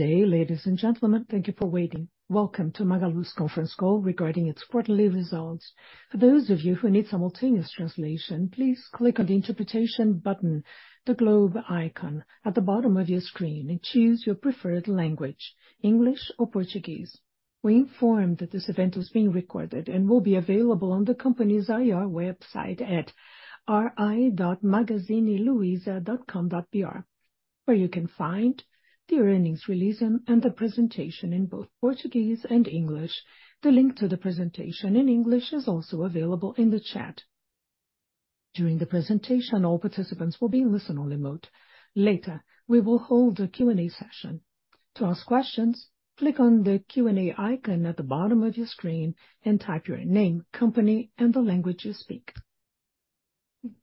Good day, ladies and gentlemen. Thank you for waiting. Welcome to Magalu's conference call regarding its quarterly results. For those of you who need simultaneous translation, please click on the Interpretation button, the globe icon at the bottom of your screen, and choose your preferred language, English or Portuguese. We inform that this event is being recorded and will be available on the company's IR website at ri.magazineluiza.com.br, where you can find the earnings release and the presentation in both Portuguese and English. The link to the presentation in English is also available in the chat. During the presentation, all participants will be in listen-only mode. Later, we will hold a Q&A session. To ask questions, click on the Q&A icon at the bottom of your screen and type your name, company, and the language you speak.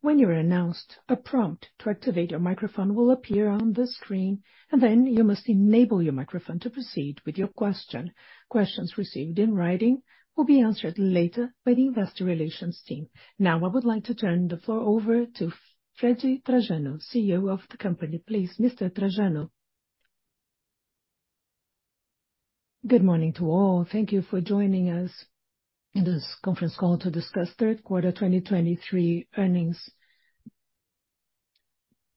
When you are announced, a prompt to activate your microphone will appear on the screen, and then you must enable your microphone to proceed with your question. Questions received in writing will be answered later by the investor relations team. Now, I would like to turn the floor over to Fred Trajano, CEO of the company. Please, Mr. Trajano? Good morning to all. Thank you for joining us in this conference call to discuss third quarter 2023 earnings.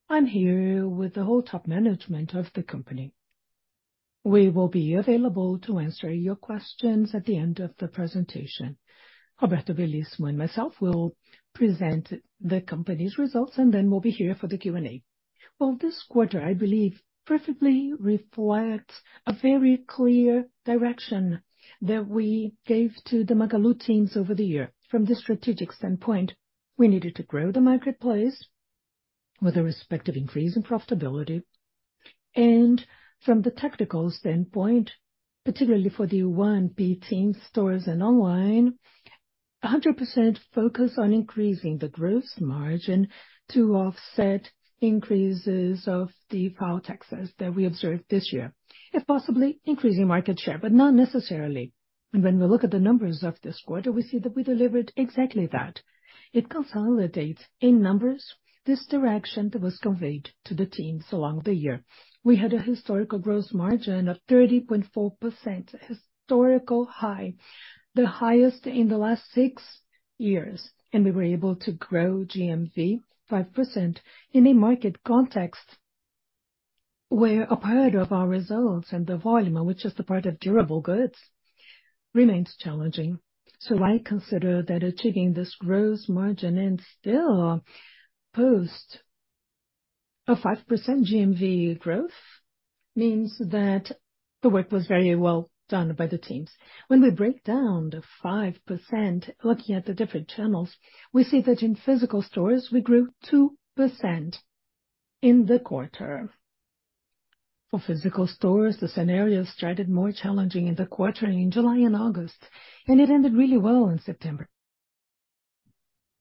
I'm here with the whole top management of the company. We will be available to answer your questions at the end of the presentation. Roberto Bellissimo and myself will present the company's results, and then we'll be here for the Q&A. Well, this quarter, I believe, perfectly reflects a very clear direction that we gave to the Magalu teams over the year. From the strategic standpoint, we needed to grow the marketplace with a respective increase in profitability, and from the tactical standpoint, particularly for the 1P team stores and online, 100% focus on increasing the gross margin to offset increases in the DIFAL taxes that we observed this year, while possibly increasing market share, but not necessarily. And when we look at the numbers of this quarter, we see that we delivered exactly that. It consolidates in numbers, this direction that was conveyed to the teams along the year. We had a historical gross margin of 30.4%, historical high, the highest in the last six years, and we were able to grow GMV 5% in a market context, where a part of our results and the volume, which is the part of durable goods, remains challenging. So I consider that achieving this gross margin and still post a 5% GMV growth means that the work was very well done by the teams. When we break down the 5%, looking at the different channels, we see that in physical stores, we grew 2% in the quarter. For physical stores, the scenario started more challenging in the quarter in July and August, and it ended really well in September.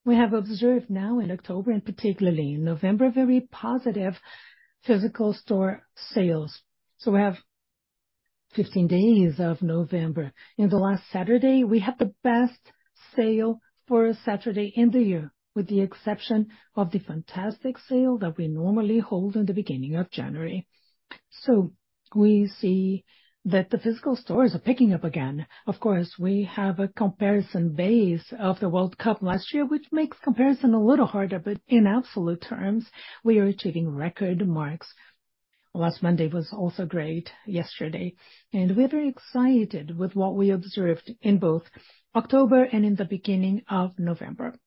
We have observed now in October and particularly in November, very positive physical store sales. So we have 15 days of November. In the last Saturday, we had the best sale for a Saturday in the year, with the exception of the fantastic sale that we normally hold in the beginning of January. So we see that the physical stores are picking up again. Of course, we have a comparison base of the World Cup last year, which makes comparison a little harder, but in absolute terms, we are achieving record marks. Last Monday was also great, yesterday, and we're very excited with what we observed in both October and in the beginning of November.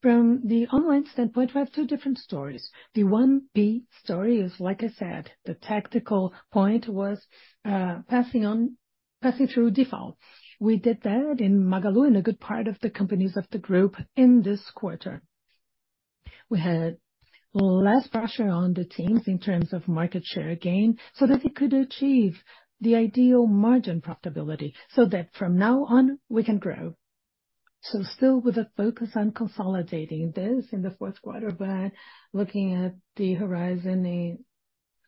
From the online standpoint, we have two different stories. The 1P story is, like I said, the tactical point was passing through DIFAL. We did that in Magalu, in a good part of the companies of the group in this quarter. We had less pressure on the teams in terms of market share gain, so that they could achieve the ideal margin profitability, so that from now on, we can grow. So still with a focus on consolidating this in the fourth quarter, but looking at the horizon,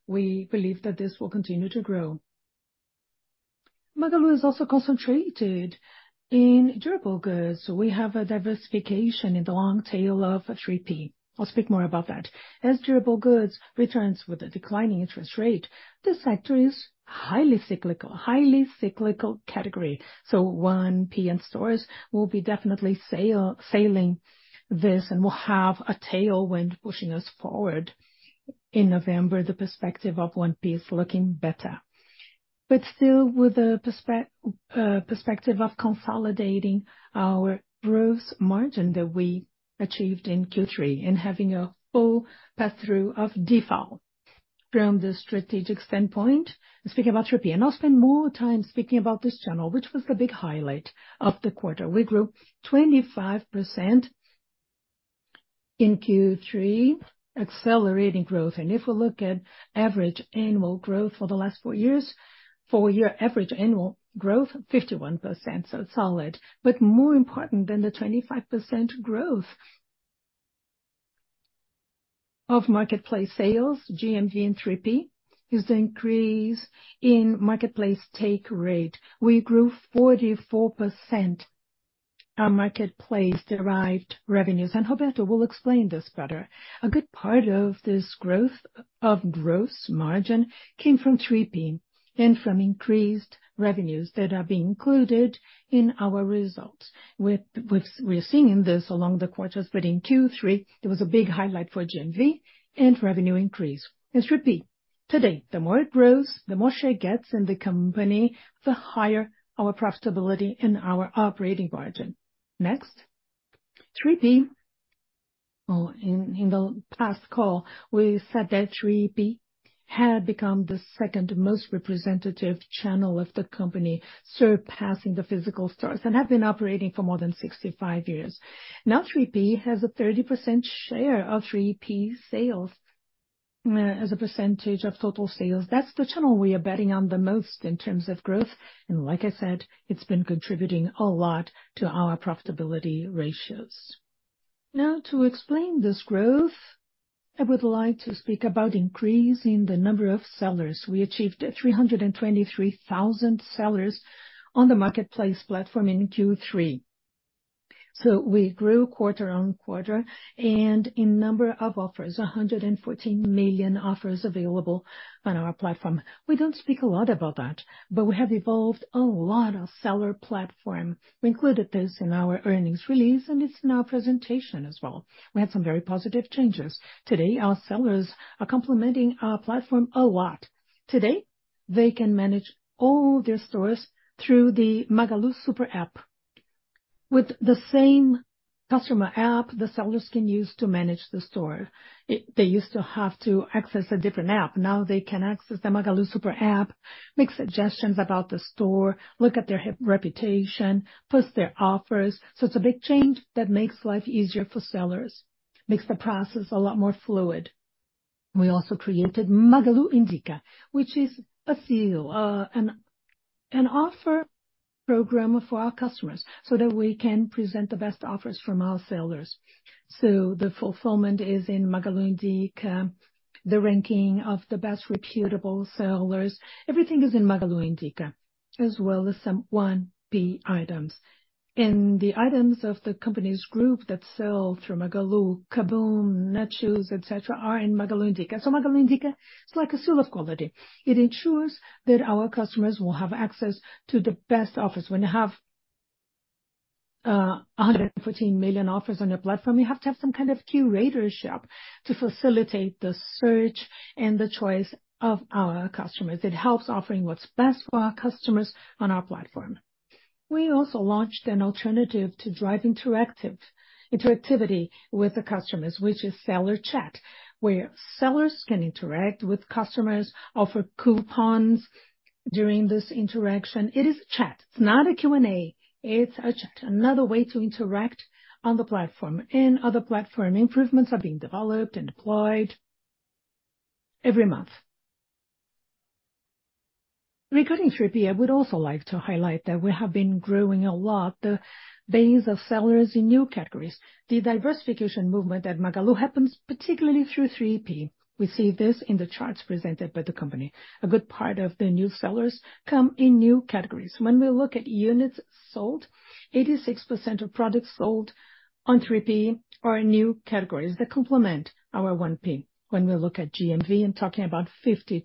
we believe that this will continue to grow. Magalu is also concentrated in durable goods. We have a diversification in the long tail of 3P. I'll speak more about that. As durable goods returns with a declining interest rate, this sector is highly cyclical, highly cyclical category. So 1P in stores will be definitely sale, sailing this and will have a tailwind pushing us forward. In November, the perspective of 1P is looking better, but still with the perspective of consolidating our growth margin that we achieved in Q3 and having a full passthrough of DIFAL. From the strategic standpoint, speaking about 3P, and I'll spend more time speaking about this channel, which was the big highlight of the quarter. We grew 25% in Q3, accelerating growth. If we look at average annual growth for the last four years, four-year average annual growth, 51%, so solid, but more important than the 25% growth of marketplace sales, GMV and 3P, is the increase in marketplace take rate. We grew 44%... Our marketplace derived revenues, and Roberto will explain this better. A good part of this growth, of gross margin came from 3P and from increased revenues that are being included in our results. With. We are seeing this along the quarters, but in Q3, it was a big highlight for GMV and revenue increase. It's 3P. Today, the more it grows, the more share it gets in the company, the higher our profitability and our operating margin. Next, 3P. In the past call, we said that 3P had become the second most representative channel of the company, surpassing the physical stores, and have been operating for more than 65 years. Now, 3P has a 30% share of 3P sales, as a percentage of total sales. That's the channel we are betting on the most in terms of growth, and like I said, it's been contributing a lot to our profitability ratios. Now, to explain this growth, I would like to speak about increasing the number of sellers. We achieved 323,000 sellers on the marketplace platform in Q3. So we grew quarter-over-quarter, and in number of offers, 114 million offers available on our platform. We don't speak a lot about that, but we have evolved a lot of seller platform. We included this in our earnings release, and it's in our presentation as well. We had some very positive changes. Today, our sellers are complimenting our platform a lot. Today, they can manage all their stores through the Magalu SuperApp. With the same customer app, the sellers can use to manage the store. They used to have to access a different app. Now they can access the Magalu SuperApp, make suggestions about the store, look at their rep, reputation, post their offers. So it's a big change that makes life easier for sellers. Makes the process a lot more fluid. We also created Magalu Indica, which is a seal, an offer program for our customers, so that we can present the best offers from our sellers. So the fulfillment is in Magalu Indica, the ranking of the best reputable sellers. Everything is in Magalu Indica, as well as some 1P items. And the items of the company's group that sell through Magalu, KaBuM!, Netshoes, et cetera, are in Magalu Indica. So Magalu Indica, it's like a seal of quality. It ensures that our customers will have access to the best offers. When you have 114 million offers on your platform, you have to have some kind of curatorship to facilitate the search and the choice of our customers. It helps offering what's best for our customers on our platform. We also launched an alternative to drive interactive, interactivity with the customers, which is seller chat, where sellers can interact with customers, offer coupons during this interaction. It is a chat. It's not a Q&A, it's a chat. Another way to interact on the platform, and other platform improvements are being developed and deployed every month. Regarding 3P, I would also like to highlight that we have been growing a lot, the base of sellers in new categories. The diversification movement at Magalu happens particularly through 3P. We see this in the charts presented by the company. A good part of the new sellers come in new categories. When we look at units sold, 86% of products sold on 3P are in new categories that complement our 1P. When we look at GMV, I'm talking about 52%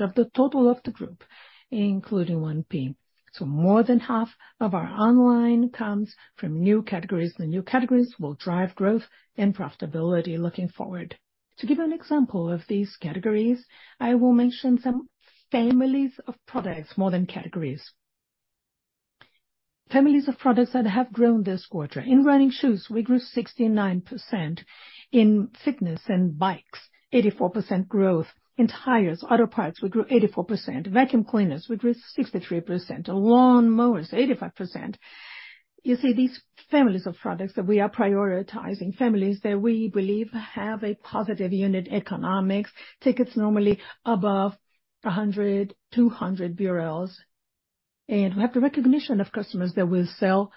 of the total of the group, including 1P. So more than half of our online comes from new categories. The new categories will drive growth and profitability looking forward. To give an example of these categories, I will mention some families of products, more than categories. Families of products that have grown this quarter. In running shoes, we grew 69%. In fitness and bikes, 84% growth. In tires, auto parts, we grew 84%. Vacuum cleaners, we grew 63%. Lawn mowers, 85%. You see these families of products that we are prioritizing, families that we believe have a positive unit economics, tickets normally above 100, 200 BRL. We have the recognition of customers that we sell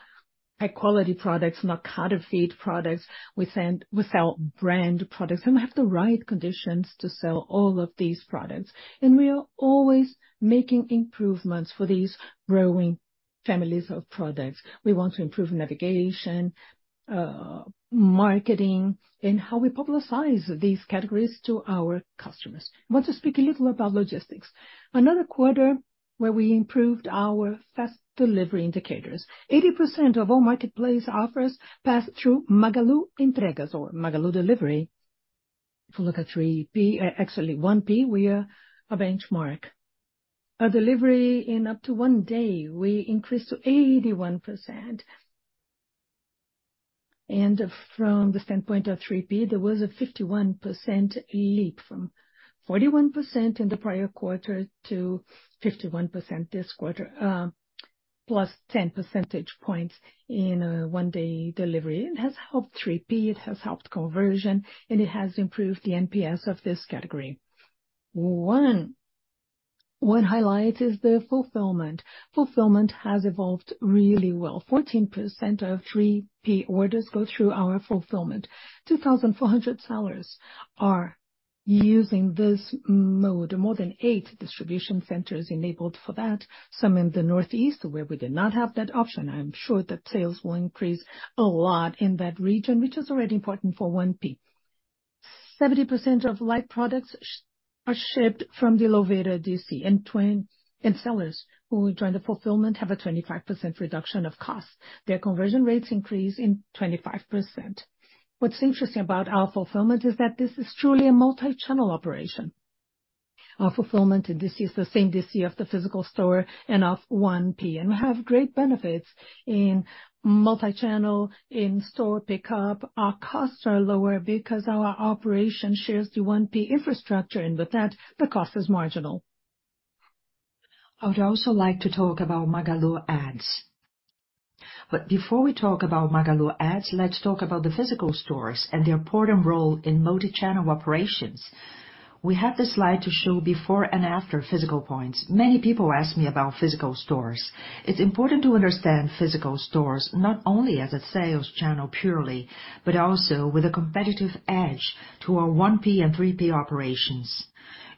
high quality products, not counterfeit products. We sell brand products, and we have the right conditions to sell all of these products. We are always making improvements for these growing families of products. We want to improve navigation, marketing, and how we publicize these categories to our customers. I want to speak a little about logistics. Another quarter where we improved our fast delivery indicators. 80% of all marketplace offers pass through Magalu Entregas or Magalu Delivery. If you look at 3P... Actually, 1P, we are a benchmark. A delivery in up to one day, we increased to 81%. From the standpoint of 3P, there was a 51% leap, from 41% in the prior quarter to 51% this quarter, +10 percentage points in a one-day delivery. It has helped 3P, it has helped conversion, and it has improved the NPS of this category. One highlight is the fulfillment. Fulfillment has evolved really well. 14% of 3P orders go through our fulfillment. 2,400 sellers are-... using this mode, more than eight distribution centers enabled for that, some in the Northeast, where we did not have that option. I'm sure that sales will increase a lot in that region, which is already important for 1P. 70% of light products are shipped from the Louveira DC, and sellers who join the fulfillment have a 25% reduction of costs. Their conversion rates increase in 25%. What's interesting about our fulfillment is that this is truly a multi-channel operation. Our fulfillment, and this is the same DC of the physical store and of 1P, and we have great benefits in multi-channel, in store pickup. Our costs are lower because our operation shares the 1P infrastructure, and with that, the cost is marginal. I would also like to talk about Magalu Ads. But before we talk about Magalu Ads, let's talk about the physical stores and their important role in multi-channel operations. We have this slide to show before and after physical points. Many people ask me about physical stores. It's important to understand physical stores not only as a sales channel purely, but also with a competitive edge to our 1P and 3P operations.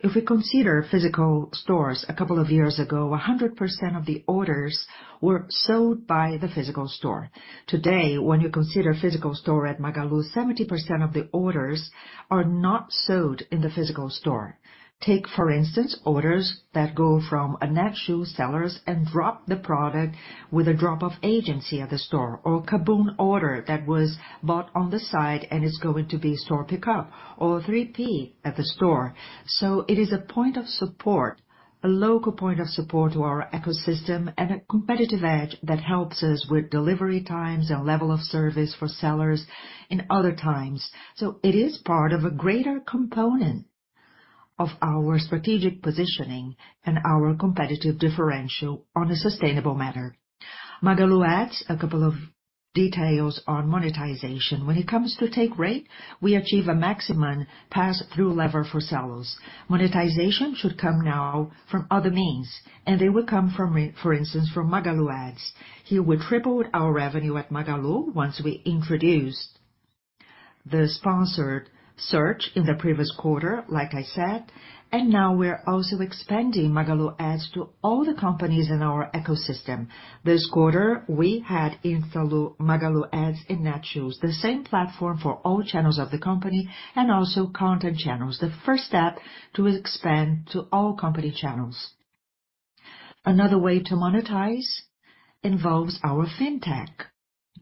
If we consider physical stores a couple of years ago, 100% of the orders were sold by the physical store. Today, when you consider physical store at Magalu, 70% of the orders are not sold in the physical store. Take, for instance, orders that go from a Netshoes sellers and drop the product with a drop-off agency at the store, or KaBuM! order that was bought on the site and is going to be store pickup or 3P at the store. So it is a point of support, a local point of support to our ecosystem and a competitive edge that helps us with delivery times and level of service for sellers in other times. So it is part of a greater component of our strategic positioning and our competitive differential on a sustainable manner. Magalu Ads, a couple of details on monetization. When it comes to Take Rate, we achieve a maximum pass-through lever for sellers. Monetization should come now from other means, and they will come from, for instance, from Magalu Ads. Here, we tripled our revenue at Magalu once we introduced the sponsored search in the previous quarter, like I said, and now we're also expanding Magalu Ads to all the companies in our ecosystem. This quarter, we had Steal The Look, Magalu Ads, and Netshoes, the same platform for all channels of the company and also content channels, the first step to expand to all company channels. Another way to monetize involves our Fintech.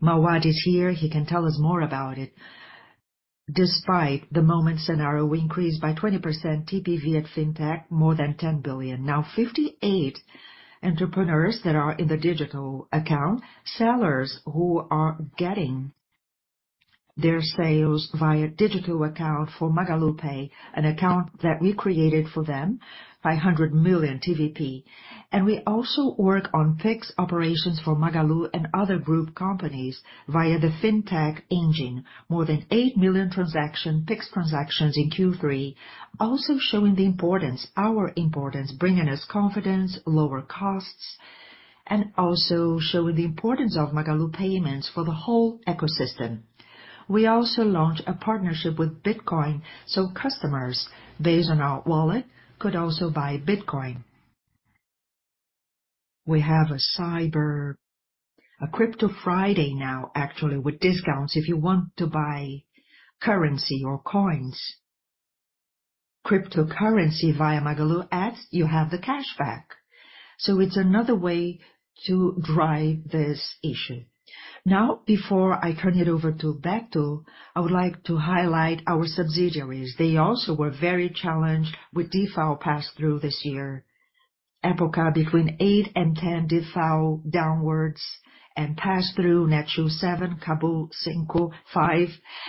Mauad is here, he can tell us more about it. Despite the moment scenario, we increased by 20% TPV at Fintech, more than 10 billion. Now, 58 entrepreneurs that are in the digital account, sellers who are getting their sales via digital account for MagaluPay, an account that we created for them, 500 million TPV. And we also work on fixed operations for Magalu and other group companies via the Fintech engine. More than 8 million transaction, fixed transactions in Q3, also showing the importance, our importance, bringing us confidence, lower costs, and also showing the importance of Magalu Payments for the whole ecosystem. We also launched a partnership with Bitcoin, so customers, based on our wallet, could also buy Bitcoin. We have a Cripto Friday now, actually, with discounts. If you want to buy currency or coins, cryptocurrency via Magalu Ads, you have the cashback. So it's another way to drive this issue. Now, before I turn it over to Beto, I would like to highlight our subsidiaries. They also were very challenged with DIFAL pass-through this year. Época, between eight and 10 DIFAL downwards and pass-through, Netshoes 7, KaBuM! cinco, 5,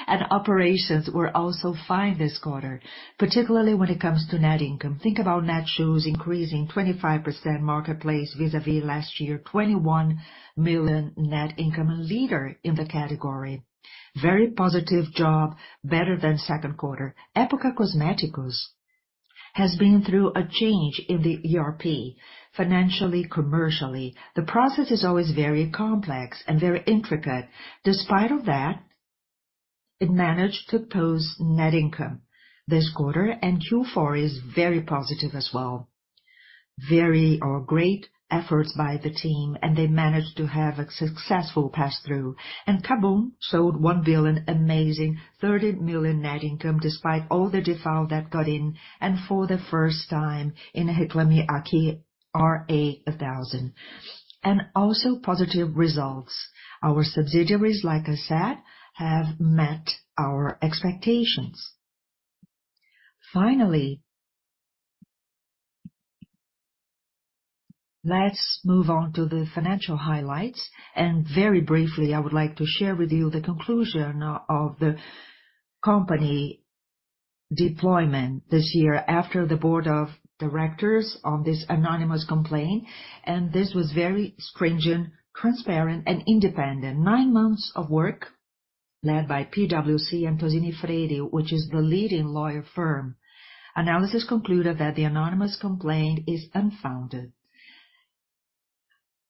and operations were also fine this quarter, particularly when it comes to net income. Think about Netshoes increasing 25% marketplace vis-a-vis last year, 21 million net income, a leader in the category. Very positive job, better than second quarter. Época Cosméticos has been through a change in the ERP, financially, commercially. The process is always very complex and very intricate. Despite that, it managed to post net income this quarter, and Q4 is very positive as well. Very great efforts by the team, and they managed to have a successful pass-through. KaBuM! sold 1 billion, amazing 30 million net income, despite all the DIFAL that got in, and for the first time in Reclame Aqui, RA 1000. Also positive results. Our subsidiaries, like I said, have met our expectations. Finally, let's move on to the financial highlights. Very briefly, I would like to share with you the conclusion of the company deployment this year after the board of directors on this anonymous complaint, and this was very stringent, transparent, and independent. Nine months of work led by PwC and TozziniFreire, which is the leading law firm. analysis concluded that the anonymous complaint is unfounded.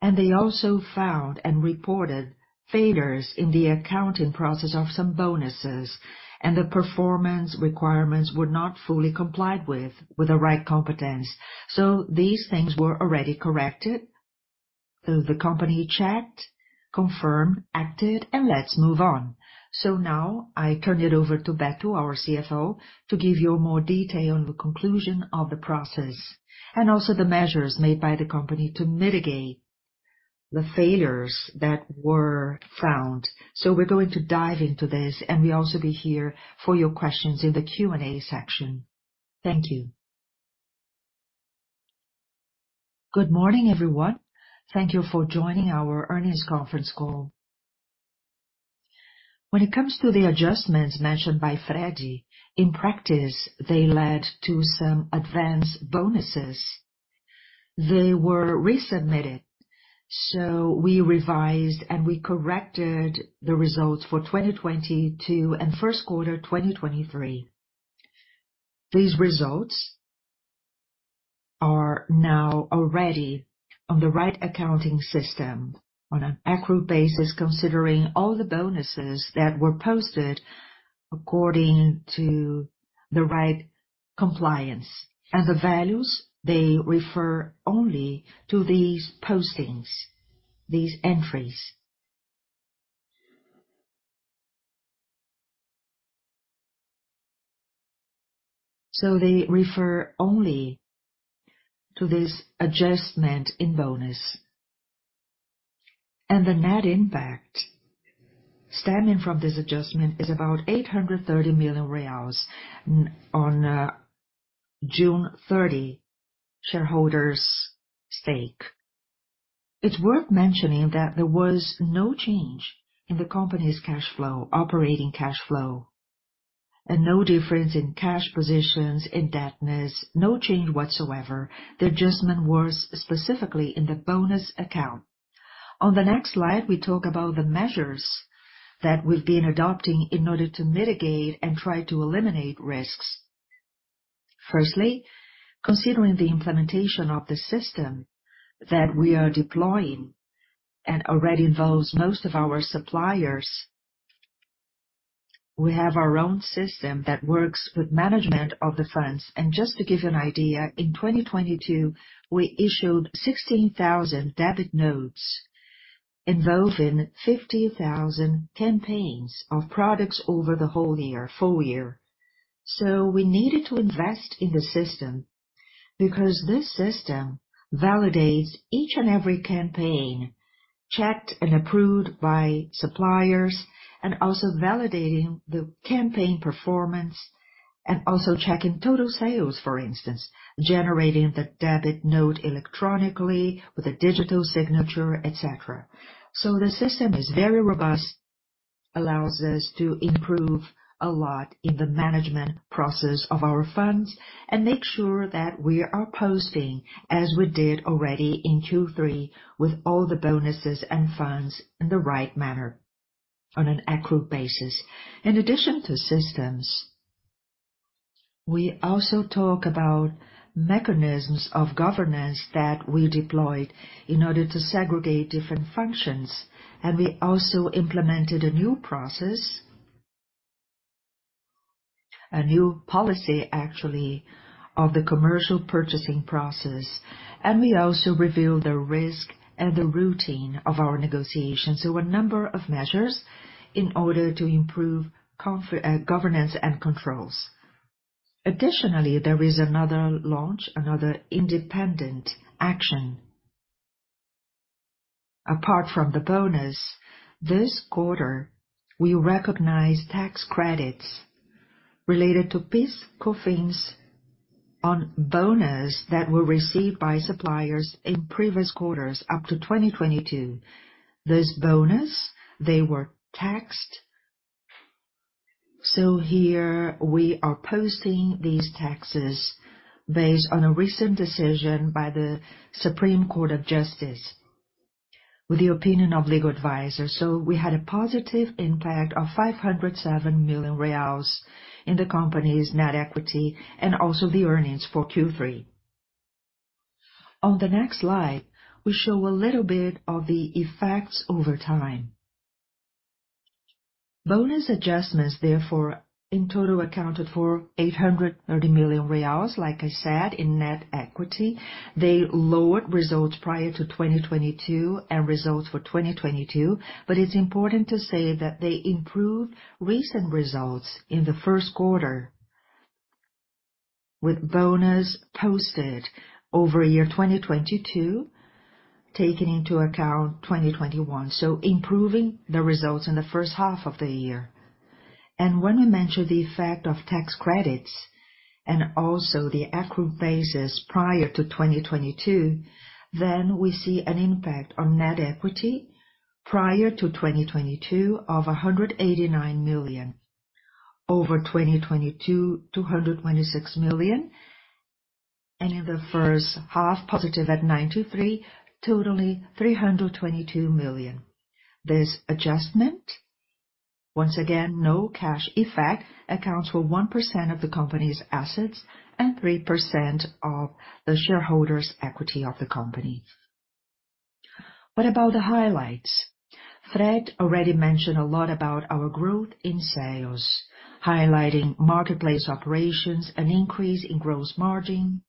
And they also found and reported failures in the accounting process of some bonuses, and the performance requirements were not fully complied with, with the right competence. So these things were already corrected. So the company checked, confirmed, acted, and let's move on. So now I turn it over to Beto, our CFO, to give you more detail on the conclusion of the process, and also the measures made by the company to mitigate the failures that were found. So we're going to dive into this, and we'll also be here for your questions in the Q&A section. Thank you. Good morning, everyone. Thank you for joining our earnings conference call. When it comes to the adjustments mentioned by Freddy, in practice, they led to some advanced bonuses. They were resubmitted, so we revised and we corrected the results for 2022 and first quarter 2023. These results are now already on the right accounting system on an accurate basis, considering all the bonuses that were posted according to the right compliance. The values, they refer only to these postings, these entries. They refer only to this adjustment in bonus. The net impact stemming from this adjustment is about 830 million reais on June 30, shareholders' stake. It's worth mentioning that there was no change in the company's cash flow, operating cash flow, and no difference in cash positions, in indebtedness, no change whatsoever. The adjustment was specifically in the bonus account. On the next slide, we talk about the measures that we've been adopting in order to mitigate and try to eliminate risks. Firstly, considering the implementation of the system that we are deploying and already involves most of our suppliers, we have our own system that works with management of the funds. Just to give you an idea, in 2022, we issued 16,000 debit notes involving 50,000 campaigns of products over the whole year, full year. We needed to invest in the system because this system validates each and every campaign, checked and approved by suppliers, and also validating the campaign performance, and also checking total sales, for instance, generating the debit note electronically with a digital signature, et cetera. The system is very robust, allows us to improve a lot in the management process of our funds and make sure that we are posting as we did already in Q3 with all the bonuses and funds in the right manner on an accurate basis. In addition to systems, we also talk about mechanisms of governance that we deployed in order to segregate different functions. We also implemented a new process, a new policy, actually, of the commercial purchasing process. We also revealed the risk and the routine of our negotiations. So a number of measures in order to improve confidence, governance and controls. Additionally, there is another launch, another independent action. Apart from the bonus, this quarter, we recognize tax credits related to PIS/COFINS on bonus that were received by suppliers in previous quarters, up to 2022. This bonus, they were taxed. So here we are posting these taxes based on a recent decision by the Supreme Court of Justice, with the opinion of legal advisors. So we had a positive impact of 507 million reais in the company's net equity and also the earnings for Q3. On the next slide, we show a little bit of the effects over time. Bonus adjustments, therefore, in total, accounted for 830 million reais, like I said, in net equity. They lowered results prior to 2022 and results for 2022. But it's important to say that they improved recent results in the first quarter, with bonus posted over year 2022, taking into account 2021, so improving the results in the first half of the year. And when we mention the effect of tax credits and also the accrual basis prior to 2022, then we see an impact on net equity prior to 2022 of 189 million. Over 2022, 226 million, and in the first half, positive at 93, totaling 322 million. This adjustment-... Once again, no cash effect accounts for 1% of the company's assets and 3% of the shareholders' equity of the company. What about the highlights? Fred already mentioned a lot about our growth in sales, highlighting marketplace operations, an increase in gross margin.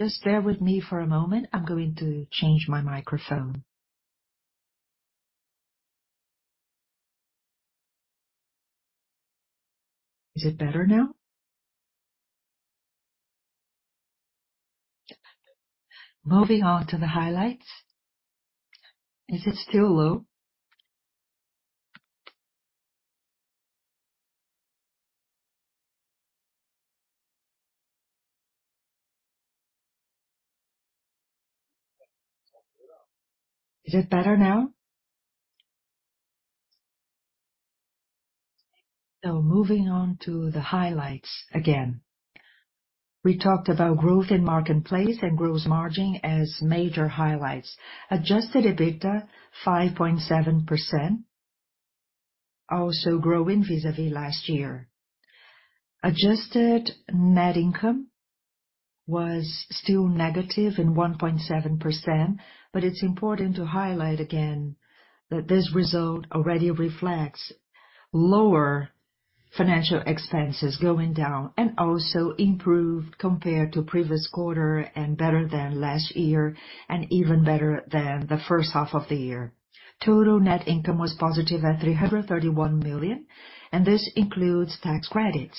Just bear with me for a moment. I'm going to change my microphone. Is it better now? Moving on to the highlights. Is it still low? Is it better now? So moving on to the highlights again. We talked about growth in marketplace and gross margin as major highlights. Adjusted EBITDA, 5.7%, also growing vis-à-vis last year. Adjusted net income was still negative in 1.7%, but it's important to highlight again that this result already reflects lower financial expenses going down and also improved compared to previous quarter and better than last year, and even better than the first half of the year. Total net income was positive at 331 million, and this includes tax credits.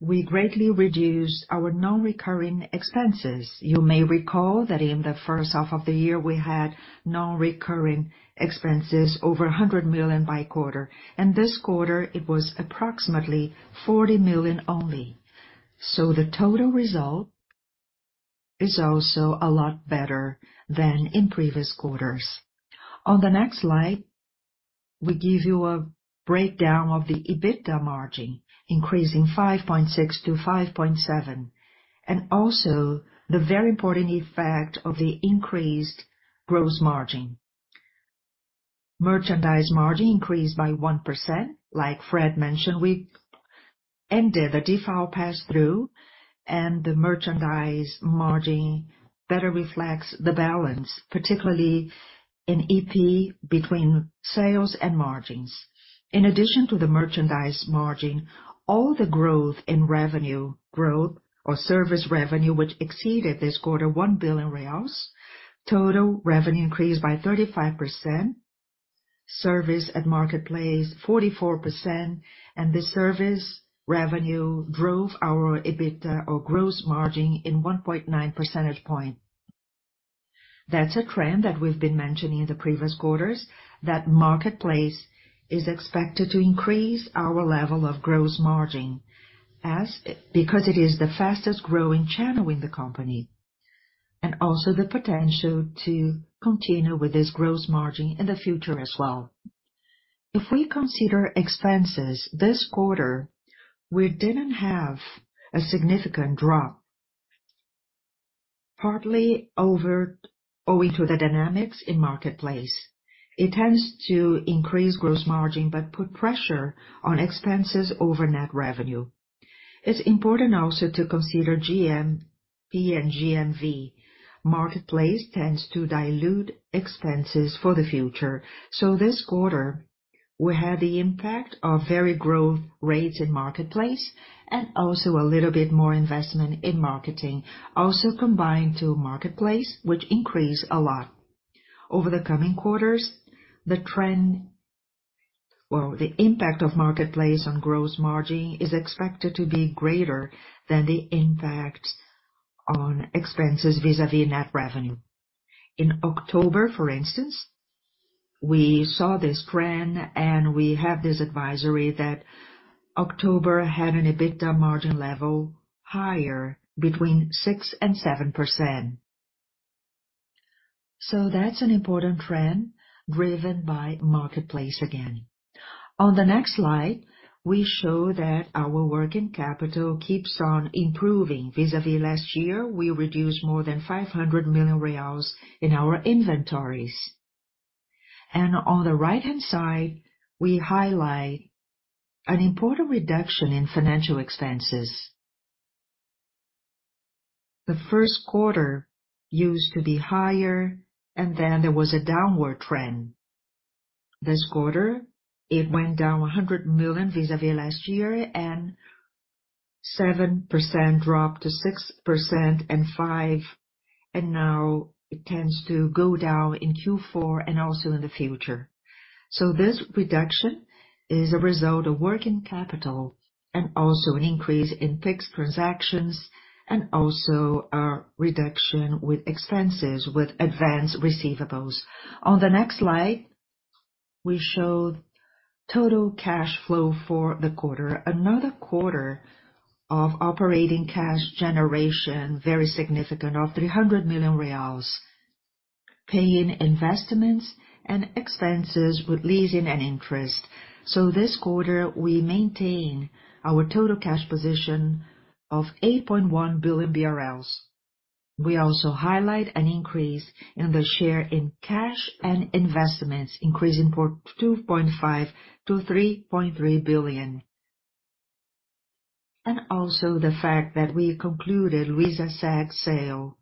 We also highlight that this quarter, we greatly reduced our non-recurring expenses. You may recall that in the first half of the year, we had non-recurring expenses over 100 million by quarter, and this quarter it was approximately 40 million only. So the total result is also a lot better than in previous quarters. On the next slide, we give you a breakdown of the EBITDA margin, increasing 5.6 to 5.7, and also the very important effect of the increased gross margin. Merchandise margin increased by 1%. Like Fred mentioned, we ended the DIFAL pass-through, and the merchandise margin better reflects the balance, particularly in EP, between sales and margins. In addition to the merchandise margin, all the growth in revenue growth or service revenue, which exceeded this quarter, 1 billion reais. Total revenue increased by 35%, service at marketplace 44%, and this service revenue drove our EBITDA or gross margin in 1.9 percentage points. That's a trend that we've been mentioning in the previous quarters, that marketplace is expected to increase our level of gross margin as, because it is the fastest growing channel in the company, and also the potential to continue with this gross margin in the future as well. If we consider expenses this quarter, we didn't have a significant drop, partly owing to the dynamics in marketplace. It tends to increase gross margin, but put pressure on expenses over net revenue. It's important also to consider GMV. Marketplace tends to dilute expenses for the future. So this quarter, we had the impact of very growth rates in marketplace and also a little bit more investment in marketing, also combined to marketplace, which increased a lot. Over the coming quarters, the trend or the impact of marketplace on gross margin is expected to be greater than the impact on expenses vis-à-vis net revenue. In October, for instance, we saw this trend, and we have this advisory that October had an EBITDA margin level higher between 6%-7%. So that's an important trend driven by marketplace again. On the next slide, we show that our working capital keeps on improving. Vis-à-vis last year, we reduced more than 500 million reais in our inventories. On the right-hand side, we highlight an important reduction in financial expenses. The first quarter used to be higher, and then there was a downward trend. This quarter, it went down 100 million vis-à-vis last year, and 7% dropped to 6.5%, and now it tends to go down in Q4 and also in the future. So this reduction is a result of working capital and also an increase in fixed transactions, and also a reduction with expenses with advanced receivables. On the next slide, we show total cash flow for the quarter. Another quarter of operating cash generation, very significant, of 300 million reais.... paying investments and expenses with leasing and interest. So this quarter, we maintain our total cash position of 8.1 billion BRL. We also highlight an increase in the share in cash and investments, increasing for 2.5 billion-3.3 billion. And also the fact that we concluded Luizaseg sale,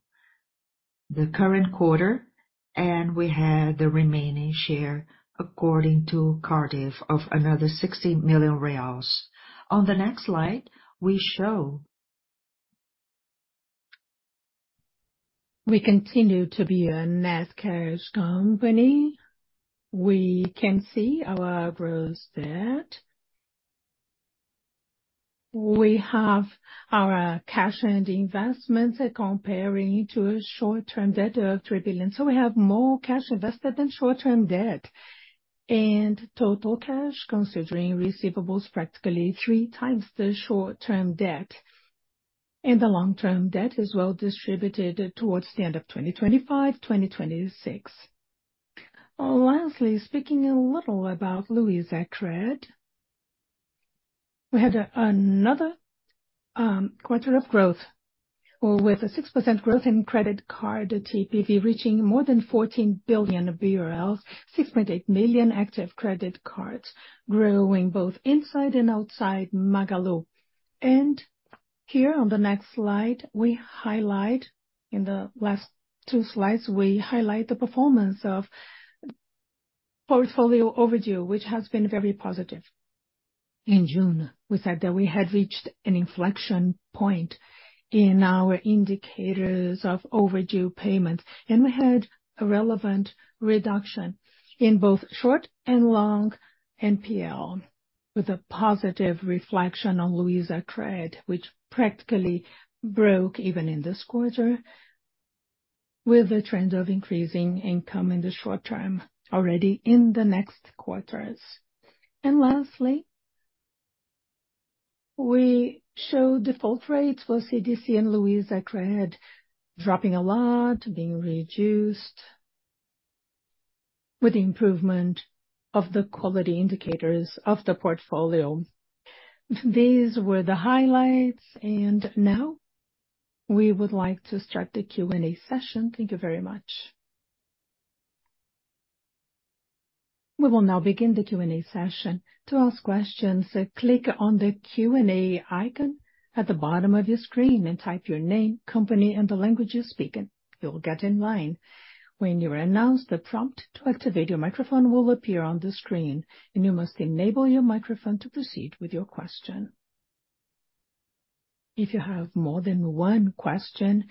the current quarter, and we had the remaining share, according to Cardif, of another 60 million reais. On the next slide, we show we continue to be a net cash company. We can see our gross debt. We have our cash and investments comparing to a short-term debt of 3 billion. So we have more cash invested than short-term debt and total cash, considering receivables, practically three times the short-term debt, and the long-term debt is well distributed towards the end of 2025, 2026. Lastly, speaking a little about Luizacred, we had another quarter of growth, with a 6% growth in credit card TPV, reaching more than 14 billion BRL, 6.8 million active credit cards, growing both inside and outside Magalu. Here on the next slide, we highlight, in the last two slides, we highlight the performance of portfolio overdue, which has been very positive. In June, we said that we had reached an inflection point in our indicators of overdue payments, and we had a relevant reduction in both short and long NPL, with a positive reflection on Luizacred, which practically broke even in this quarter, with a trend of increasing income in the short term already in the next quarters. Lastly, we show default rates for CDC and Luizacred dropping a lot, being reduced with the improvement of the quality indicators of the portfolio. These were the highlights, and now we would like to start the Q&A session. Thank you very much. We will now begin the Q&A session. To ask questions, click on the Q&A icon at the bottom of your screen and type your name, company, and the language you're speaking. You'll get in line. When you are announced, the prompt to activate your microphone will appear on the screen, and you must enable your microphone to proceed with your question. If you have more than one question,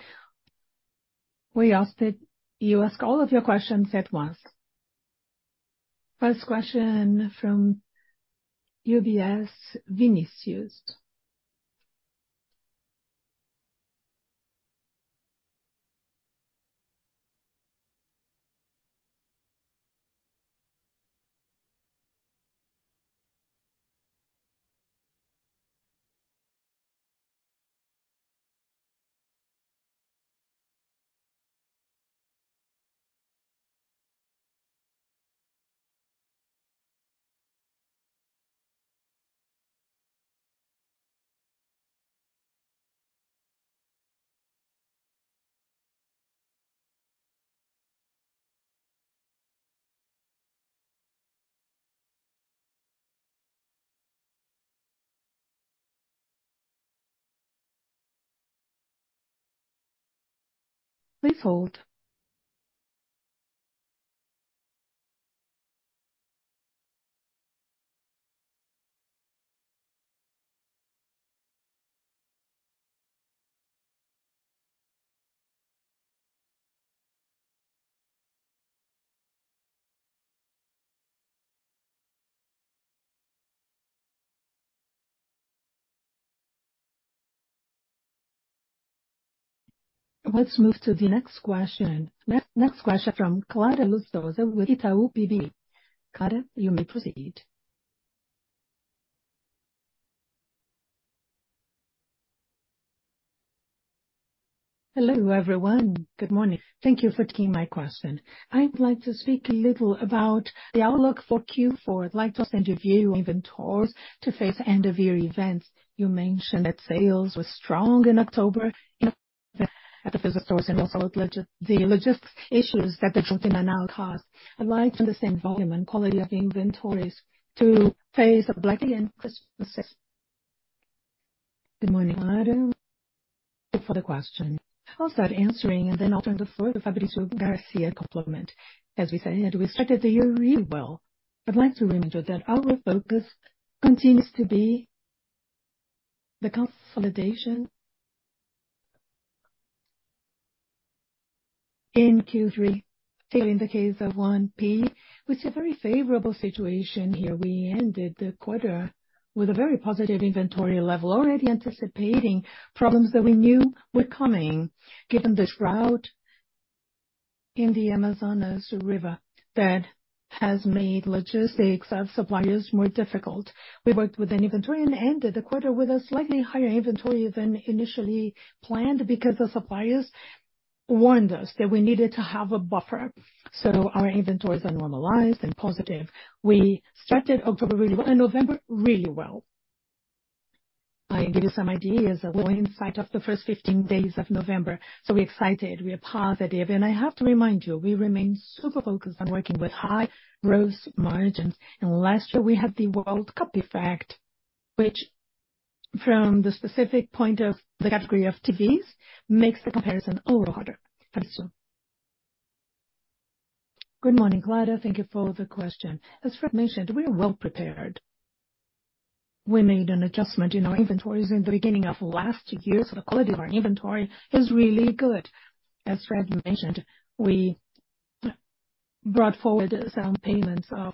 we ask that you ask all of your questions at once. First question from UBS, Vinicius Strano. Let's move to the next question. Next, next question from Clara Lustosa with Itaú BBA. Clara, you may proceed. Hello, everyone. Good morning. Thank you for taking my question. I'd like to speak a little about the outlook for Q4. I'd like to ask your view on inventories to face end-of-year events. You mentioned that sales were strong in October at the physical stores and also the logistics issues that the container now caused. I'd like to understand volume and quality of the inventories to face the Black Friday and Christmas sales. Good morning, Clara. For the question. I'll start answering, and then I'll turn the floor to Fabrício Garcia to complement. As we said, we started the year really well. I'd like to reiterate that our focus continues to be the consolidation in Q3, still in the case of 1P, with a very favorable situation here. We ended the quarter with a very positive inventory level, already anticipating problems that we knew were coming, given the drought in the Amazonas River that has made logistics of suppliers more difficult. We worked with an inventory and ended the quarter with a slightly higher inventory than initially planned, because the suppliers warned us that we needed to have a buffer, so our inventories are normalized and positive. We started October really well, and November really well. I give you some ideas that were in sight of the first 15 days of November. So we're excited, we are positive. And I have to remind you, we remain super focused on working with high gross margins. And last year we had the World Cup effect, which from the specific point of the category of TVs, makes the comparison a little harder. Thank you so much. Good morning, Clara. Thank you for the question. As Fred mentioned, we are well prepared. We made an adjustment in our inventories in the beginning of last year, so the quality of our inventory is really good. As Fred mentioned, we brought forward some payments of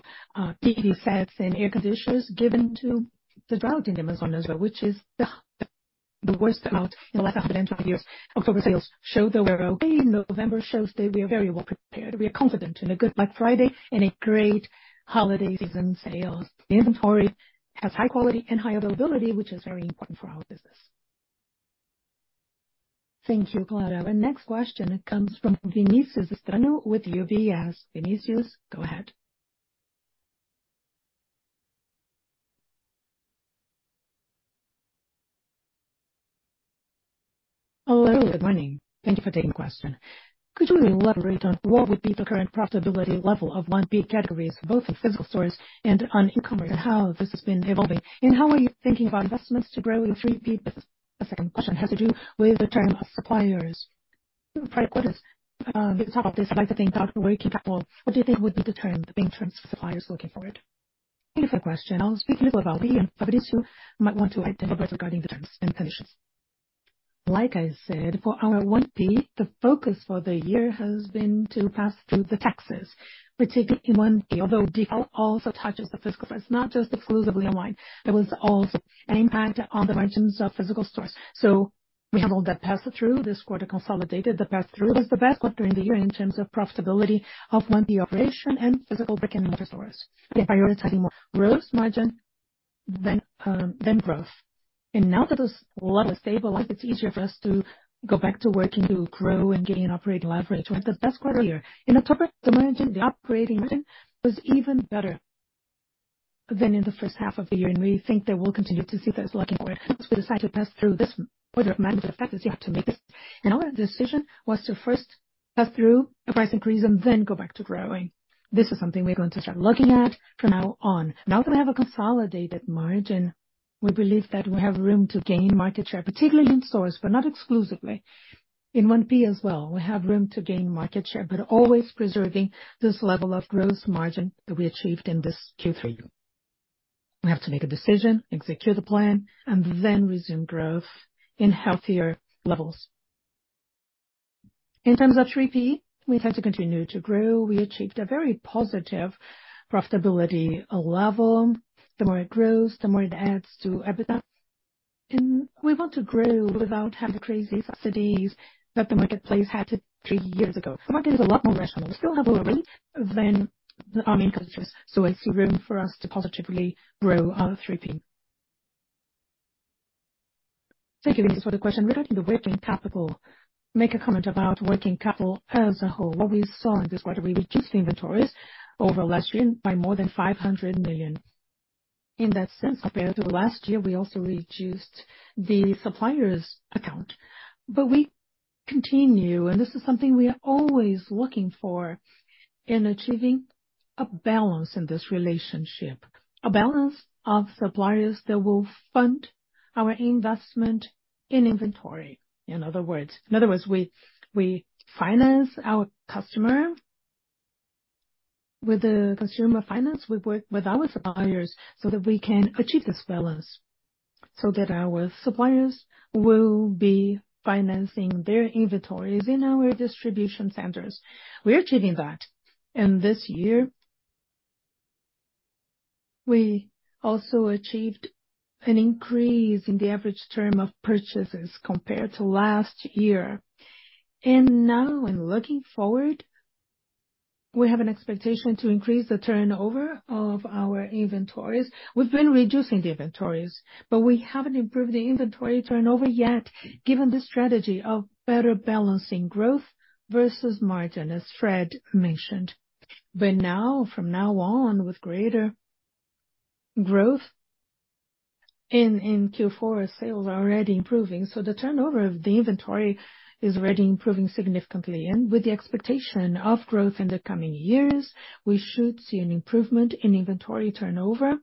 TV sets and air conditioners, given to the drought in the Amazonas, which is the worst amount in the last 120 years. October sales showed that we're okay. November shows that we are very well prepared. We are confident in a good Black Friday and a great holiday season sales. The inventory has high quality and high availability, which is very important for our business. Thank you, Clara. Our next question comes from Vinicius Strano with UBS. Vinicius, go ahead. Hello, good morning. Thank you for taking question. Could you elaborate on what would be the current profitability level of 1P categories, both in physical stores and on e-commerce, and how this has been evolving? And how are you thinking about investments to grow in 3P? The second question has to do with the term of suppliers. Previous quarters, we can talk about this, like the thing about working capital. What do you think would be the term, the big terms for suppliers looking forward? Thank you for question. I'll speak a little about 1P, and Fabrício might want to elaborate regarding the terms and conditions. Like I said, for our 1P, the focus for the year has been to pass through the taxes, particularly in 1P, although DIFAL also touches the physical side, it's not just exclusively online. There was also an impact on the margins of physical stores. So we have all that passed through this quarter, consolidated. The pass-through was the best quarter in the year in terms of profitability of 1P operation and physical brick-and-mortar stores. We are prioritizing more gross margin than growth. Now that those levels stabilize, it's easier for us to go back to working to grow and gain operating leverage. We had the best quarter year. In October, the margin, the operating margin was even better than in the first half of the year, and we think that we'll continue to see those looking forward. We decided to pass through this quarter of management effect, is you have to make it. Our decision was to first pass through a price increase and then go back to growing. This is something we're going to start looking at from now on. Now that I have a consolidated margin, we believe that we have room to gain market share, particularly in stores, but not exclusively. In 1P as well, we have room to gain market share, but always preserving this level of gross margin that we achieved in this Q3. We have to make a decision, execute the plan, and then resume growth in healthier levels. In terms of 3P, we tend to continue to grow. We achieved a very positive profitability level. The more it grows, the more it adds to EBITDA. And we want to grow without having crazy subsidies that the marketplace had to three years ago. The market is a lot more rational. We still have a rate than the average countries, so I see room for us to positively grow our 3P. Thank you, Vinicius, for the question. Regarding the working capital, make a comment about working capital as a whole. What we saw in this quarter, we reduced the inventories over last year by more than 500 million. In that sense, compared to last year, we also reduced the suppliers' account. But we continue, and this is something we are always looking for in achieving a balance in this relationship, a balance of suppliers that will fund our investment in inventory, in other words. In other words, we, we finance our customer. With the consumer finance, we work with our suppliers so that we can achieve this balance, so that our suppliers will be financing their inventories in our distribution centers. We are achieving that, and this year, we also achieved an increase in the average term of purchases compared to last year. And now, in looking forward, we have an expectation to increase the turnover of our inventories. We've been reducing the inventories, but we haven't improved the inventory turnover yet, given the strategy of better balancing growth versus margin, as Fred mentioned. But now, from now on, with greater growth in Q4, our sales are already improving, so the turnover of the inventory is already improving significantly. And with the expectation of growth in the coming years, we should see an improvement in inventory turnover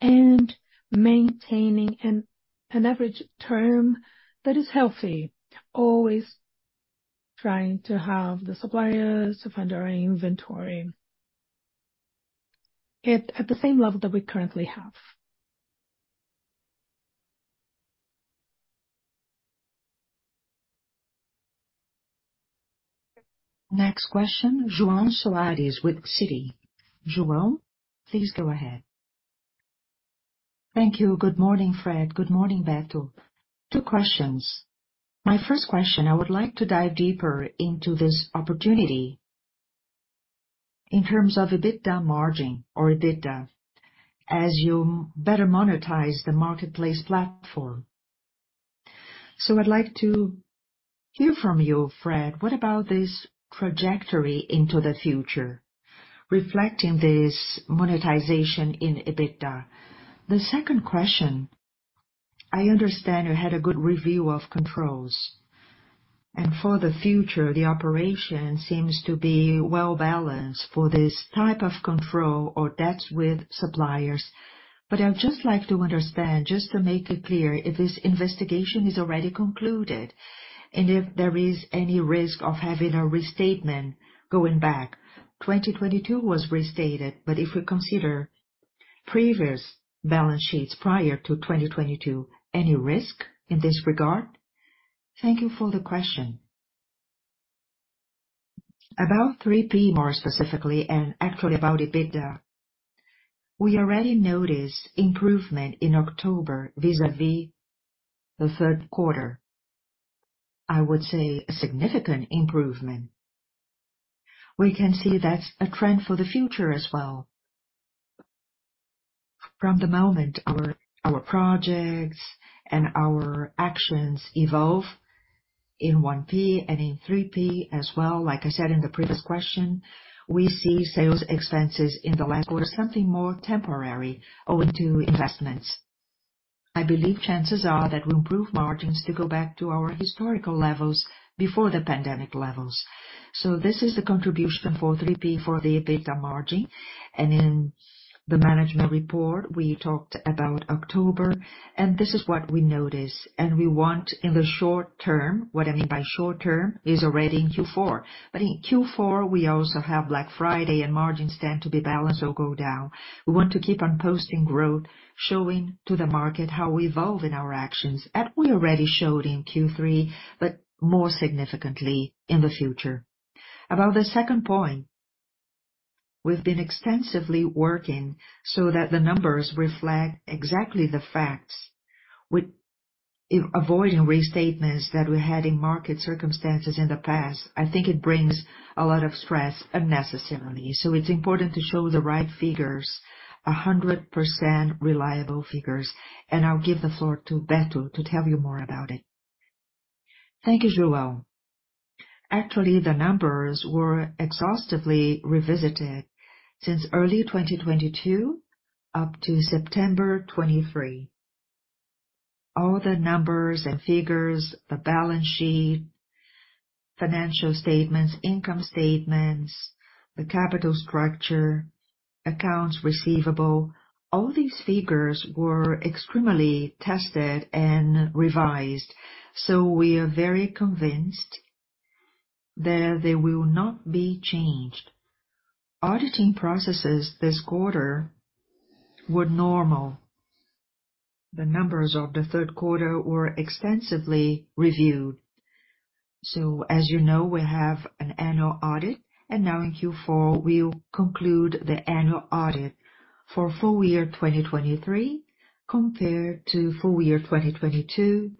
and maintaining an average term that is healthy, always trying to have the suppliers to fund our inventory at the same level that we currently have. Next question, João Soares with Citi. João, please go ahead. Thank you. Good morning, Fred. Good morning, Beto. Two questions. My first question, I would like to dive deeper into this opportunity in terms of EBITDA margin or EBITDA, as you better monetize the marketplace platform. So I'd like to hear from you, Fred, what about this trajectory into the future, reflecting this monetization in EBITDA? The second question: I understand you had a good review of controls, and for the future, the operation seems to be well balanced for this type of control or debts with suppliers. But I'd just like to understand, just to make it clear, if this investigation is already concluded, and if there is any risk of having a restatement going back. 2022 was restated, but if we consider previous balance sheets prior to 2022, any risk in this regard? Thank you for the question. About 3P, more specifically, and actually about EBITDA, we already noticed improvement in October vis-a-vis the third quarter. I would say a significant improvement. We can see that's a trend for the future as well. From the moment our projects and our actions evolve in 1P and in 3P as well, like I said in the previous question, we see sales expenses in the last quarter, something more temporary, owing to investments. I believe chances are that we'll improve margins to go back to our historical levels before the pandemic levels. So this is the contribution for 3P for the EBITDA margin. And in the management report, we talked about October, and this is what we notice, and we want in the short term. What I mean by short term is already in Q4. But in Q4, we also have Black Friday, and margins tend to be balanced or go down. We want to keep on posting growth, showing to the market how we evolve in our actions, and we already showed in Q3, but more significantly in the future. About the second point, we've been extensively working so that the numbers reflect exactly the facts, with avoiding restatements that we had in market circumstances in the past. I think it brings a lot of stress unnecessarily. So it's important to show the right figures, 100% reliable figures, and I'll give the floor to Beto to tell you more about it. Thank you, João. Actually, the numbers were exhaustively revisited since early 2022 up to September 2023. All the numbers and figures, the balance sheet, financial statements, income statements, the capital structure, accounts receivable, all these figures were extremely tested and revised, so we are very convinced that they will not be changed. Auditing processes this quarter were normal. The numbers of the third quarter were extensively reviewed. So, as you know, we have an annual audit, and now in Q4, we'll conclude the annual audit for full year 2023 compared to full year 2022,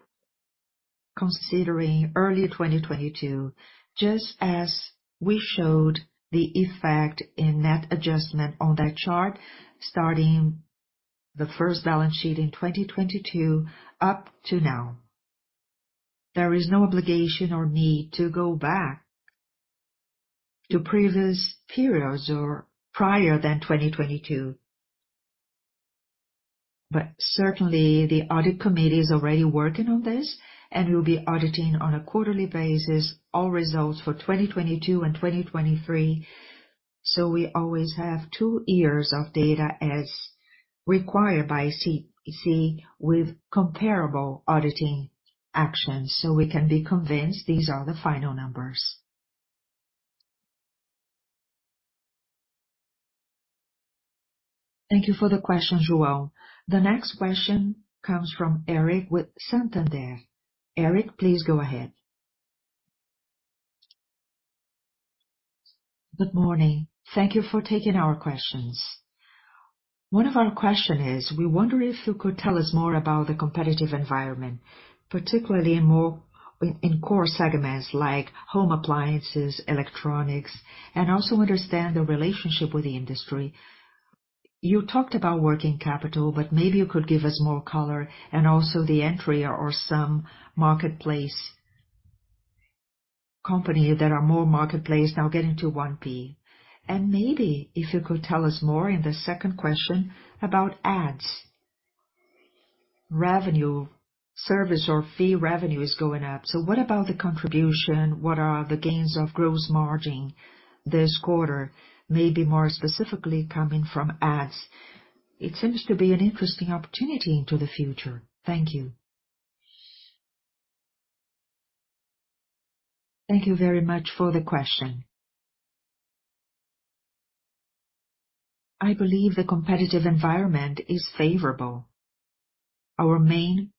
considering early 2022, just as we showed the effect in net adjustment on that chart, starting the first balance sheet in 2022 up to now. There is no obligation or need to go back to previous periods or prior than 2022. But certainly, the audit committee is already working on this, and we'll be auditing on a quarterly basis all results for 2022 and 2023. So we always have two years of data as required by CC, with comparable auditing actions, so we can be convinced these are the final numbers. Thank you for the question, João. The next question comes from Eric with Santander. Eric, please go ahead. Good morning. Thank you for taking our questions. One of our question is, we wonder if you could tell us more about the competitive environment, particularly in core segments like home appliances, electronics, and also understand the relationship with the industry. You talked about working capital, but maybe you could give us more color and also the entry or some marketplace company that are more marketplace now getting to 1P. And maybe if you could tell us more in the second question about ads revenue, service or fee revenue is going up, so what about the contribution? What are the gains of gross margin this quarter, maybe more specifically coming from ads? It seems to be an interesting opportunity into the future. Thank you. Thank you very much for the question. I believe the competitive environment is favorable. Our main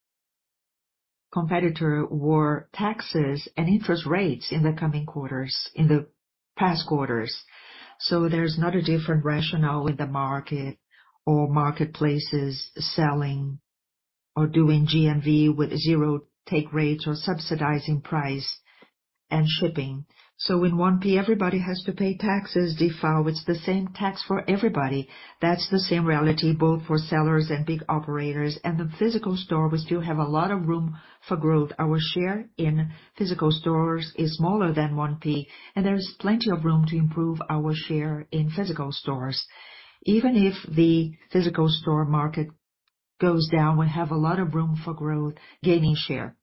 competitor were taxes and interest rates in the coming quarters, in the past quarters. So there's not a different rationale in the market or marketplaces selling or doing GMV with zero take rates or subsidizing price and shipping. So in 1P, everybody has to pay taxes DIFAL. It's the same tax for everybody. That's the same reality, both for sellers and big operators. And the physical store, we still have a lot of room for growth. Our share in physical stores is smaller than 1P, and there's plenty of room to improve our share in physical stores. Even if the physical store market goes down, we have a lot of room for growth, gaining share.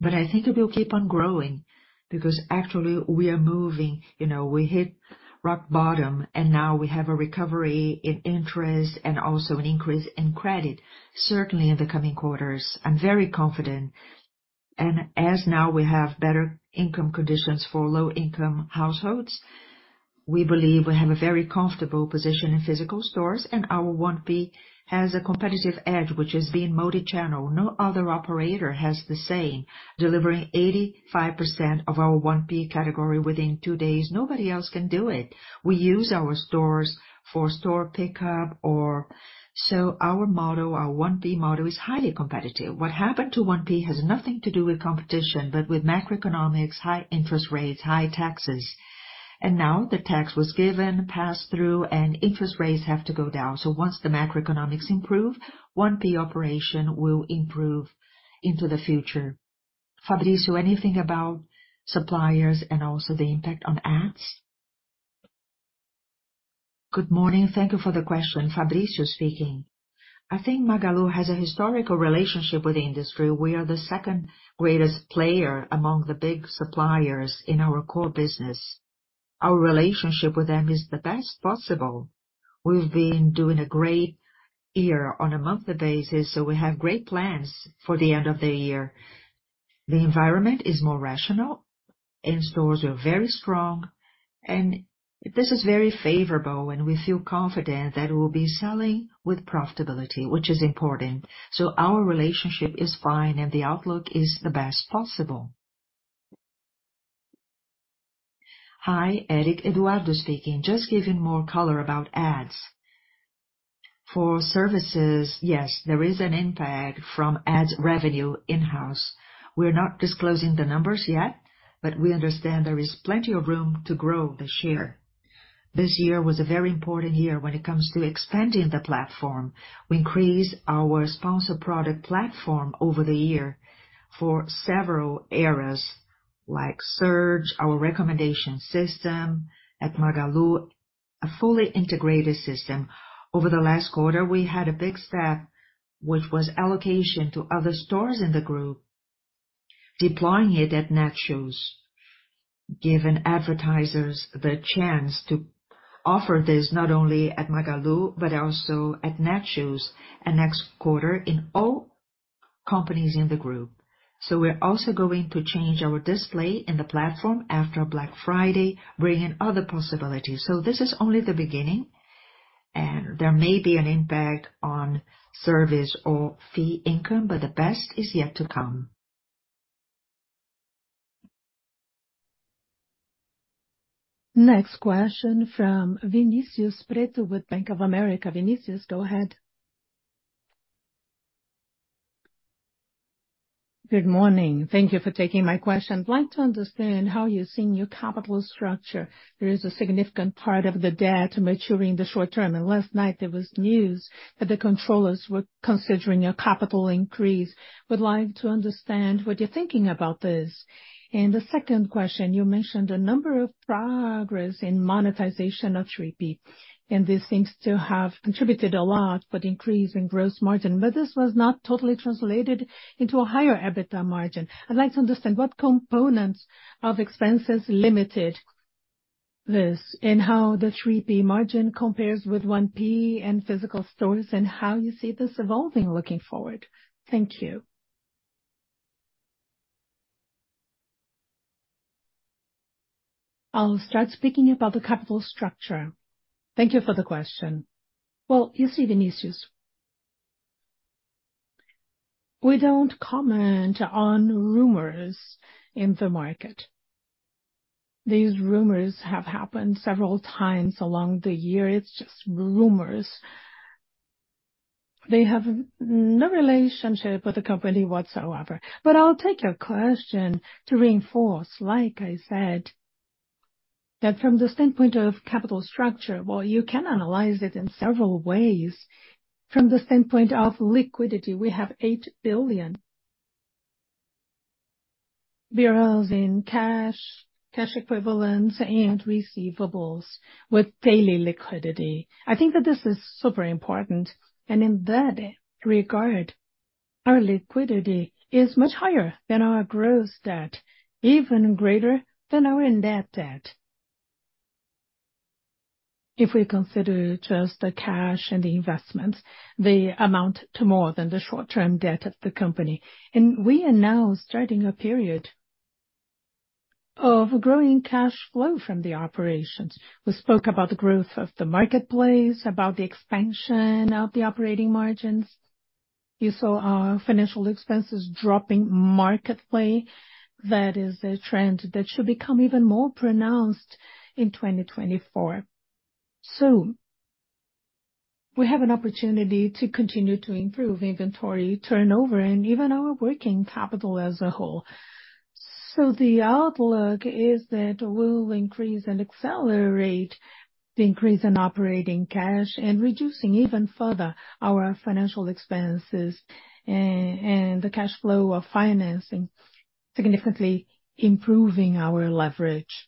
But I think it will keep on growing, because actually, we are moving. You know, we hit rock bottom, and now we have a recovery in interest and also an increase in credit, certainly in the coming quarters. I'm very confident, and as now, we have better income conditions for low-income households, we believe we have a very comfortable position in physical stores, and our 1P has a competitive edge, which is being multi-channel. No other operator has the same, delivering 85% of our 1P category within two days. Nobody else can do it. We use our stores for store pickup or. So our model, our 1P model, is highly competitive. What happened to 1P has nothing to do with competition, but with macroeconomics, high interest rates, high taxes. Now the tax was given, passed through, and interest rates have to go down. Once the macroeconomics improve, 1P operation will improve into the future. Fabrício, anything about suppliers and also the impact on ads? Good morning. Thank you for the question. Fabrício speaking. I think Magalu has a historical relationship with the industry. We are the second greatest player among the big suppliers in our core business. Our relationship with them is the best possible. We've been doing a great year on a monthly basis, so we have great plans for the end of the year. The environment is more rational, and stores are very strong, and this is very favorable, and we feel confident that we'll be selling with profitability, which is important. Our relationship is fine, and the outlook is the best possible. Hi, Eric. Eduardo speaking. Just giving more color about ads. For services, yes, there is an impact from ads revenue in-house. We're not disclosing the numbers yet, but we understand there is plenty of room to grow this year. This year was a very important year when it comes to expanding the platform. We increased our sponsored product platform over the year for several areas, like search, our recommendation system at Magalu, a fully integrated system. Over the last quarter, we had a big step, which was allocation to other stores in the group, deploying it at Netshoes, giving advertisers the chance to offer this not only at Magalu but also at Netshoes, and next quarter, in all companies in the group. So we're also going to change our display in the platform after Black Friday, bringing other possibilities. So this is only the beginning, and there may be an impact on service or fee income, but the best is yet to come. Next question from Vinicius Pretto with Bank of America. Vinicius, go ahead. Good morning. Thank you for taking my question. I'd like to understand how you're seeing your capital structure. There is a significant part of the debt maturing in the short term, and last night there was news that the controllers were considering a capital increase. Would like to understand what you're thinking about this? The second question, you mentioned a number of progress in monetization of 3P, and this seems to have contributed a lot, but increase in gross margin, but this was not totally translated into a higher EBITDA margin. I'd like to understand what components of expenses limited this, and how the 3P margin compares with 1P and physical stores, and how you see this evolving looking forward? Thank you. I'll start speaking about the capital structure. Thank you for the question. Well, you see, Vinicius, we don't comment on rumors in the market. These rumors have happened several times along the year. It's just rumors. They have no relationship with the company whatsoever. But I'll take your question to reinforce, like I said, that from the standpoint of capital structure, well, you can analyze it in several ways. From the standpoint of liquidity, we have 8 billion BRL in cash, cash equivalents, and receivables with daily liquidity. I think that this is super important, and in that regard, our liquidity is much higher than our gross debt, even greater than our net debt. If we consider just the cash and the investments, they amount to more than the short-term debt of the company. And we are now starting a period-... of growing cash flow from the operations. We spoke about the growth of the marketplace, about the expansion of the operating margins. You saw our financial expenses dropping markedly. That is a trend that should become even more pronounced in 2024. So we have an opportunity to continue to improve inventory turnover and even our working capital as a whole. So the outlook is that we'll increase and accelerate the increase in operating cash and reducing even further our financial expenses and the cash flow of financing, significantly improving our leverage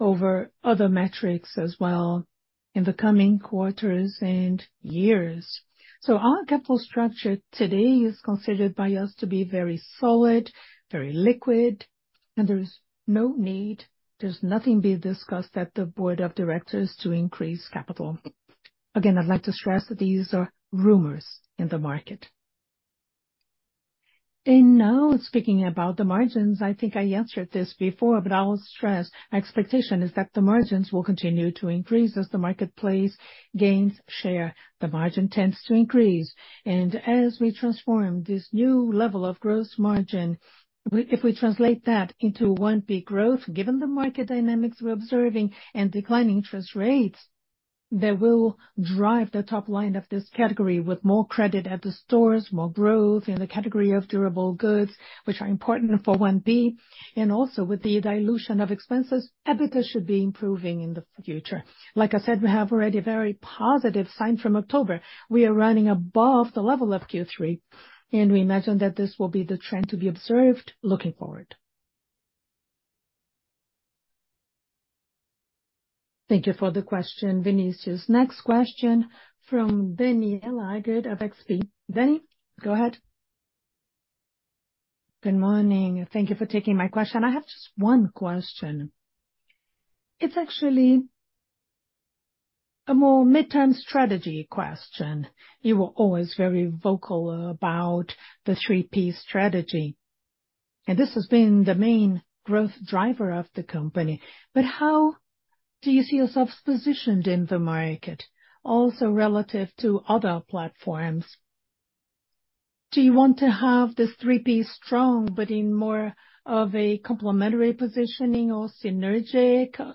over other metrics as well in the coming quarters and years. So our capital structure today is considered by us to be very solid, very liquid, and there's no need, there's nothing being discussed at the board of directors to increase capital. Again, I'd like to stress that these are rumors in the market. And now, speaking about the margins, I think I answered this before, but I will stress, our expectation is that the margins will continue to increase as the marketplace gains share, the margin tends to increase. And as we transform this new level of gross margin, we—if we translate that into 1P growth, given the market dynamics we're observing and declining interest rates, that will drive the top line of this category with more credit at the stores, more growth in the category of durable goods, which are important for 1P. And also with the dilution of expenses, EBITDA should be improving in the future. Like I said, we have already a very positive sign from October. We are running above the level of Q3, and we imagine that this will be the trend to be observed looking forward. Thank you for the question, Vinicius. Next question from Danniela Eiger of XP. Danny, go ahead. Good morning, and thank you for taking my question. I have just one question. It's actually a more midterm strategy question. You were always very vocal about the 3P strategy, and this has been the main growth driver of the company. But how do you see yourselves positioned in the market, also relative to other platforms? Do you want to have this 3P strong, but in more of a complementary positioning or synergistic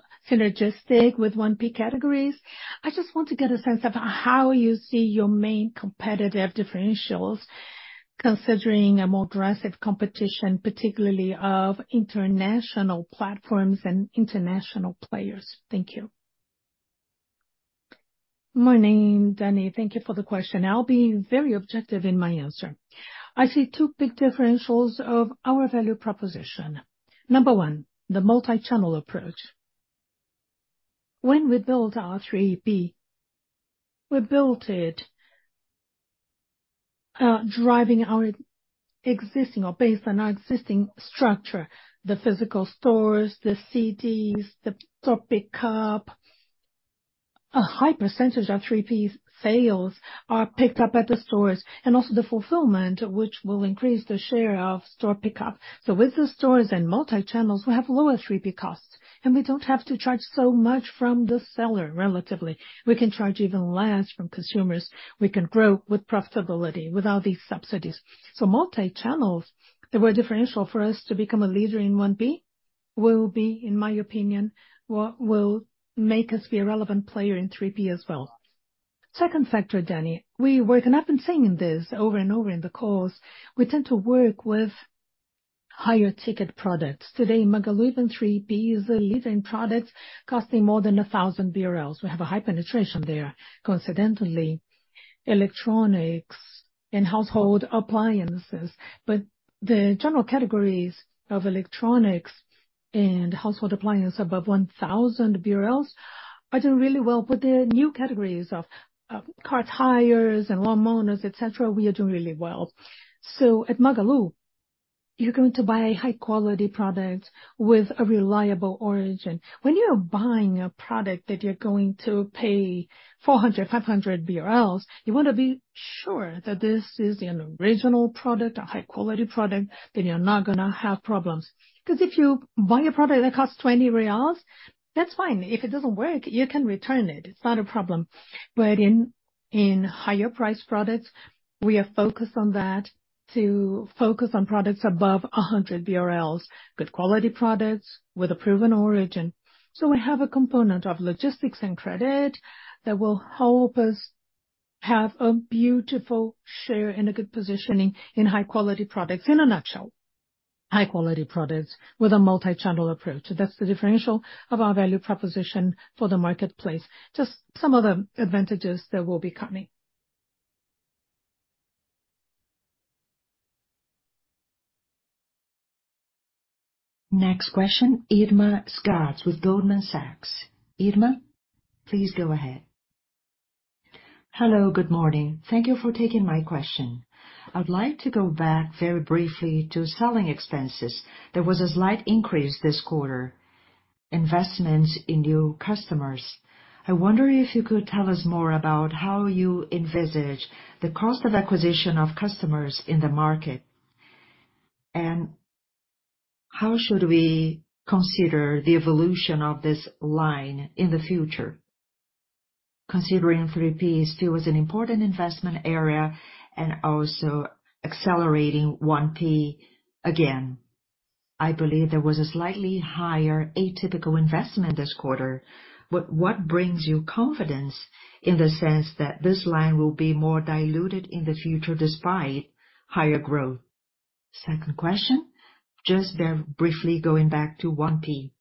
with 1P categories? I just want to get a sense of how you see your main competitive differentials, considering a more aggressive competition, particularly of international platforms and international players. Thank you. Morning, Danny. Thank you for the question. I'll be very objective in my answer. I see two big differentials of our value proposition. Number one, the multi-channel approach. When we built our 3P, we built it driving our existing or based on our existing structure, the physical stores, the CDs, the store pickup. A high percentage of 3P sales are picked up at the stores, and also the fulfillment, which will increase the share of store pickup. So with the stores and multi-channels, we have lower 3P costs, and we don't have to charge so much from the seller, relatively. We can charge even less from consumers. We can grow with profitability without these subsidies. So multi-channels, they were differential for us to become a leader in 1P, will be, in my opinion, what will make us be a relevant player in 3P as well. Second factor, Danny, we work, and I've been saying this over and over in the calls, we tend to work with higher ticket products. Today, Magalu in 3P is a leading products costing more than 1,000 BRL. We have a high penetration there, coincidentally, electronics and household appliances. But the general categories of electronics and household appliance above 1,000 BRL are doing really well. But there are new categories of car tires and lawnmowers, et cetera, we are doing really well. So at Magalu, you're going to buy a high quality product with a reliable origin. When you are buying a product that you're going to pay 400-500 BRL, you want to be sure that this is an original product, a high quality product, that you're not gonna have problems. Because if you buy a product that costs 20 reais, that's fine. If it doesn't work, you can return it. It's not a problem. But in higher priced products, we are focused on that, to focus on products above 100 BRL, good quality products with a proven origin. So we have a component of logistics and credit that will help us have a beautiful share and a good positioning in high-quality products. In a nutshell, high-quality products with a multi-channel approach. That's the differential of our value proposition for the marketplace. Just some of the advantages that will be coming. Next question, Irma Sgarz with Goldman Sachs. Irma, please go ahead. Hello, good morning. Thank you for taking my question. I'd like to go back very briefly to selling expenses. There was a slight increase this quarter in investments in new customers. I wonder if you could tell us more about how you envisage the cost of acquisition of customers in the market, and how should we consider the evolution of this line in the future? Considering 3P still is an important investment area and also accelerating 1P. Again, I believe there was a slightly higher atypical investment this quarter. But what brings you confidence in the sense that this line will be more diluted in the future, despite higher growth? Second question, just very briefly going back to 1P.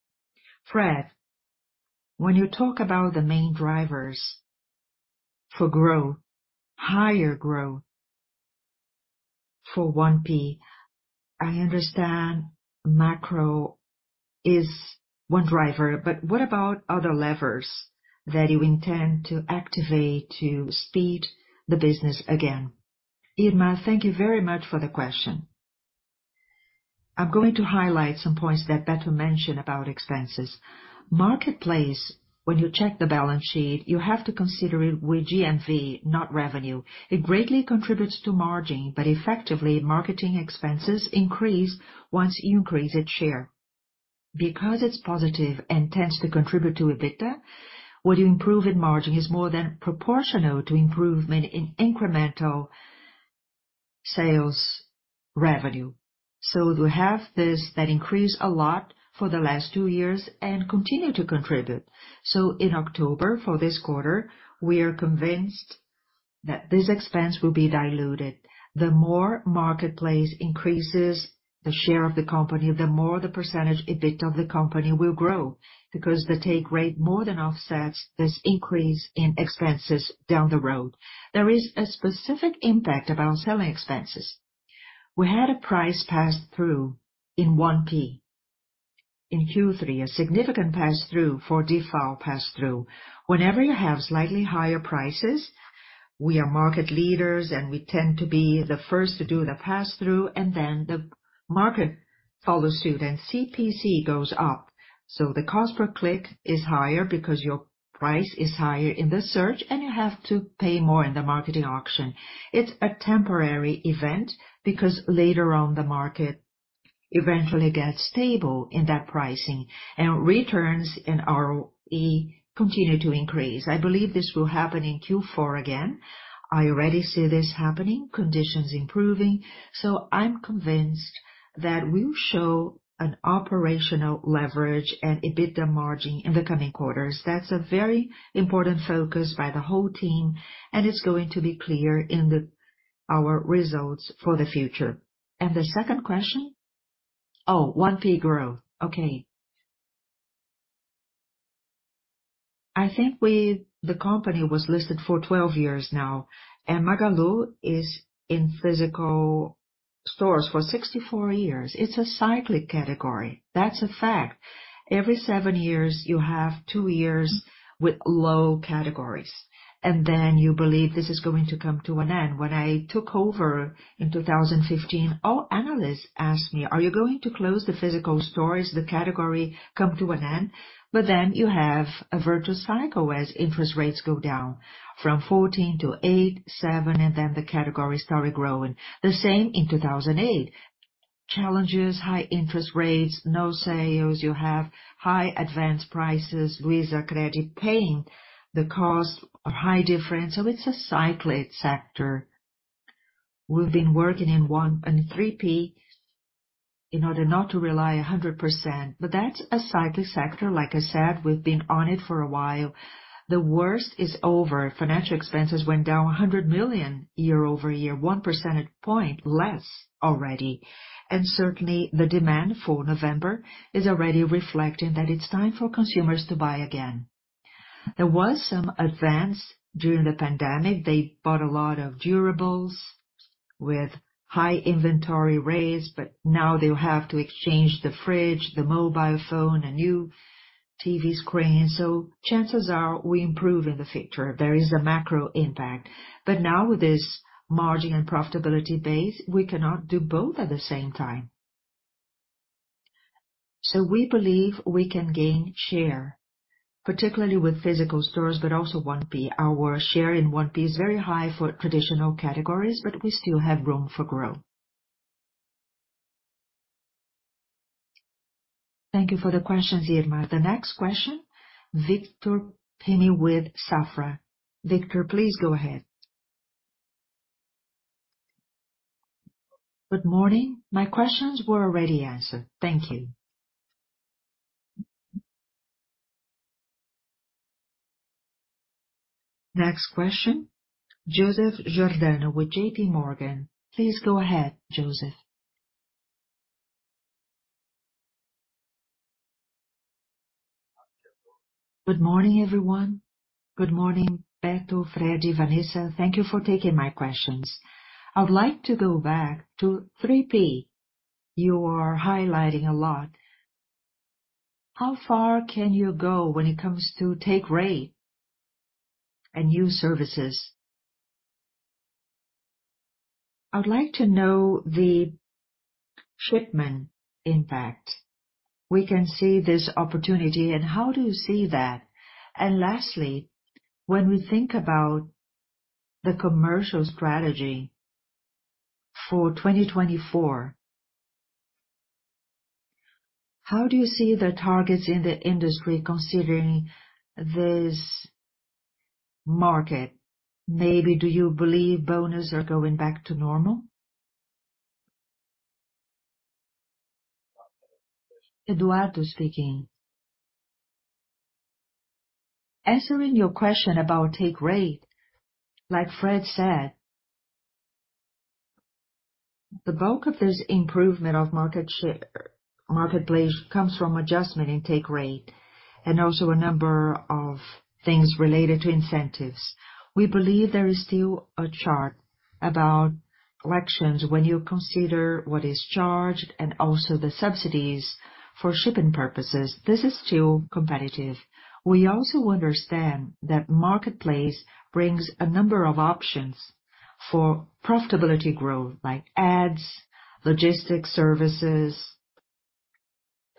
Fred, when you talk about the main drivers for growth, higher growth for 1P, I understand macro is one driver, but what about other levers that you intend to activate to speed the business again? Irma, thank you very much for the question. I'm going to highlight some points that Beto mentioned about expenses. Marketplace, when you check the balance sheet, you have to consider it with GMV, not revenue. It greatly contributes to margin, but effectively, marketing expenses increase once you increase its share. Because it's positive and tends to contribute to EBITDA, what you improve in margin is more than proportional to improvement in incremental sales revenue. So we have this, that increased a lot for the last two years and continue to contribute. So in October, for this quarter, we are convinced that this expense will be diluted. The more marketplace increases the share of the company, the more the percentage EBITDA of the company will grow, because the take rate more than offsets this increase in expenses down the road. There is a specific impact about selling expenses. We had a price pass-through in 1P. In Q3, a significant pass-through for diesel pass-through. Whenever you have slightly higher prices, we are market leaders, and we tend to be the first to do the pass-through, and then the market follows suit, and CPC goes up. So the cost per click is higher because your price is higher in the search, and you have to pay more in the marketing auction. It's a temporary event, because later on, the market eventually gets stable in that pricing, and returns and ROE continue to increase. I believe this will happen in Q4 again. I already see this happening, conditions improving, so I'm convinced that we'll show an operational leverage and EBITDA margin in the coming quarters. That's a very important focus by the whole team, and it's going to be clear in the, our results for the future. And the second question? Oh, 1P growth. Okay. I think we-- the company was listed for 12 years now, and Magalu is in physical stores for 64 years. It's a cyclic category. That's a fact. Every seven years, you have two years with low categories, and then you believe this is going to come to an end. When I took over in 2015, all analysts asked me: "Are you going to close the physical stores? The category come to an end?" But then you have a virtuous cycle as interest rates go down from 14 to eight, seven, and then the category started growing. The same in 2008. Challenges, high interest rates, no sales. You have high advanced prices, Visa, credit paying the cost of high difference. So it's a cyclical sector. We've been working in 1P and 3P in order not to rely 100%, but that's a cyclical sector. Like I said, we've been on it for a while. The worst is over. Financial expenses went down 100 million year-over-year, 1 percentage point less already. And certainly, the demand for November is already reflecting that it's time for consumers to buy again. There was some advance during the pandemic. They bought a lot of durables with high inventory rates, but now they'll have to exchange the fridge, the mobile phone, a new TV screen. So chances are we improve in the future. There is a macro impact. But now with this margin and profitability base, we cannot do both at the same time. So we believe we can gain share, particularly with physical stores, but also 1P. Our share in 1P is very high for traditional categories, but we still have room for growth. Thank you for the questions, Irma. The next question, Vitor Pini with Safra. Vitor, please goahead. Good morning. My questions were already answered. Thank you. Next question, Joseph Giordano with JPMorgan. Please go ahead, Joseph. Good morning, everyone. Good morning, Beto, Freddy, Vanessa. Thank you for taking my questions. I would like to go back to 3P. You are highlighting a lot. How far can you go when it comes to take rate and new services? I would like to know the shipment impact. We can see this opportunity, and how do you see that? And lastly, when we think about the commercial strategy for 2024, how do you see the targets in the industry considering this market? Maybe do you believe bonuses are going back to normal? Eduardo speaking. Answering your question about take rate, like Fred said, the bulk of this improvement of market share, marketplace comes from adjustment in take rate and also a number of things related to incentives. We believe there is still a chart about collections when you consider what is charged and also the subsidies for shipping purposes. This is still competitive. We also understand that marketplace brings a number of options for profitability growth, like ads, logistics services,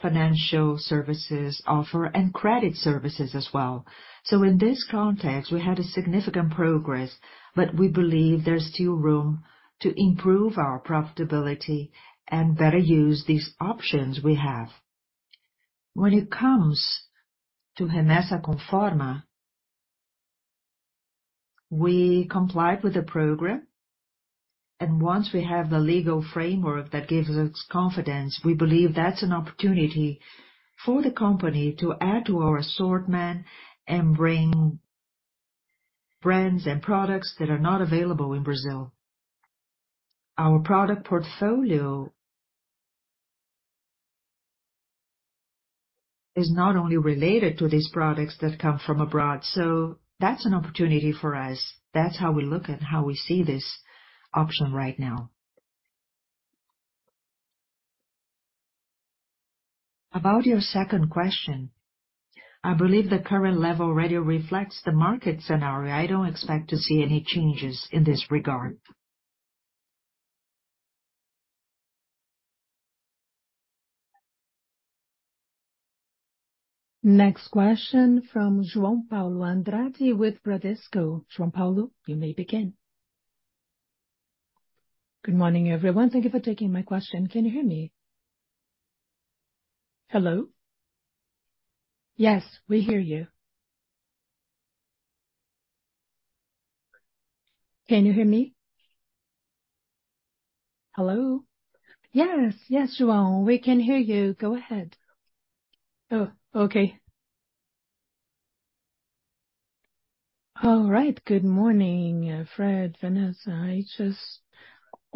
financial services offer, and credit services as well. So in this context, we had a significant progress, but we believe there's still room to improve our profitability and better use these options we have. When it comes to Remessa Conforme, we complied with the program, and once we have the legal framework that gives us confidence, we believe that's an opportunity for the company to add to our assortment and bring brands and products that are not available in Brazil. Our product portfolio is not only related to these products that come from abroad, so that's an opportunity for us. That's how we look at how we see this option right now. About your second question, I believe the current level already reflects the market scenario. I don't expect to see any changes in this regard. Next question from João Paulo Andrade with Bradesco. João Paulo, you may begin. Good morning, everyone. Thank you for taking my question. Can you hear me? Hello? Yes, we hear you. Can you hear me? Hello. Yes, yes, João, we can hear you. Go ahead. Oh, okay. All right. Good morning, Fred, Vanessa. I just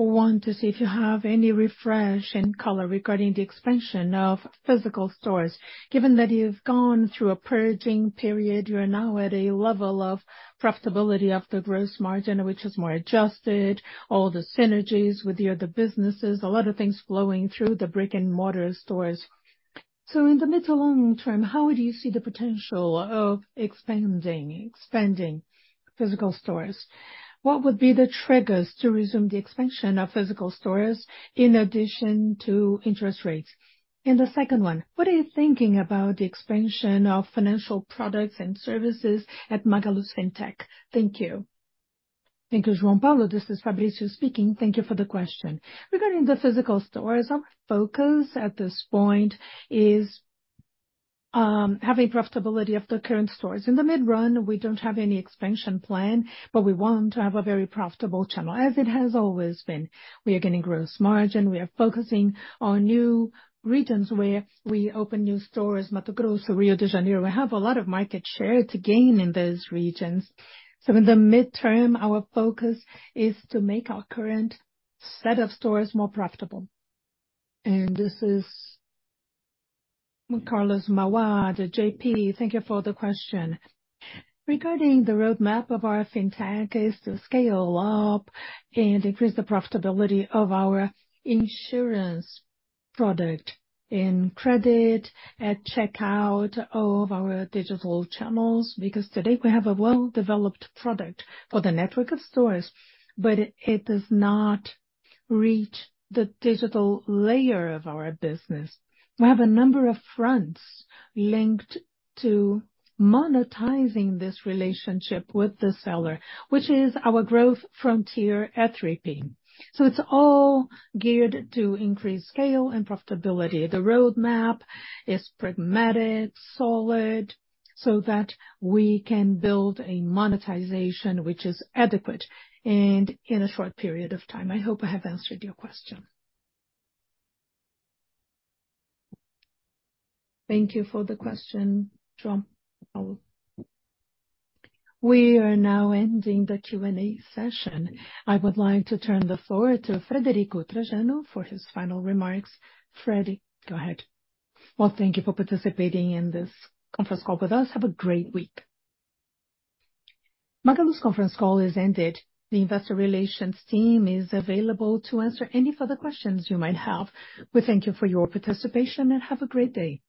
want to see if you have any refresh and color regarding the expansion of physical stores. Given that you've gone through a purging period, you are now at a level of profitability of the gross margin, which is more adjusted, all the synergies with the other businesses, a lot of things flowing through the brick-and-mortar stores. So in the mid to long term, how do you see the potential of expanding, expanding physical stores? What would be the triggers to resume the expansion of physical stores in addition to interest rates? The second one: What are you thinking about the expansion of financial products and services at Magalu Fintech? Thank you. Thank you, João Paulo. This is Fabrício speaking. Thank you for the question. Regarding the physical stores, our focus at this point is having profitability of the current stores. In the mid-run, we don't have any expansion plan, but we want to have a very profitable channel, as it has always been. We are gaining gross margin. We are focusing on new regions where we open new stores, Mato Grosso, Rio de Janeiro. We have a lot of market share to gain in those regions. So in the midterm, our focus is to make our current set of stores more profitable. This is Carlos Mauad, the 3P. Thank you for the question. Regarding the roadmap of our fintech is to scale up and increase the profitability of our insurance product in credit, at checkout, all of our digital channels, because today we have a well-developed product for the network of stores, but it does not reach the digital layer of our business. We have a number of fronts linked to monetizing this relationship with the seller, which is our growth frontier at 3P. So it's all geared to increase scale and profitability. The roadmap is pragmatic, solid, so that we can build a monetization which is adequate and in a short period of time. I hope I have answered your question. Thank you for the question, João Paulo. We are now ending the Q&A session. I would like to turn the floor to Frederico Trajano for his final remarks. Freddy, go ahead. Well, thank you for participating in this conference call with us. Have a great week. Magalu's conference call has ended. The investor relations team is available to answer any further questions you might have. We thank you for your participation, and have a great day.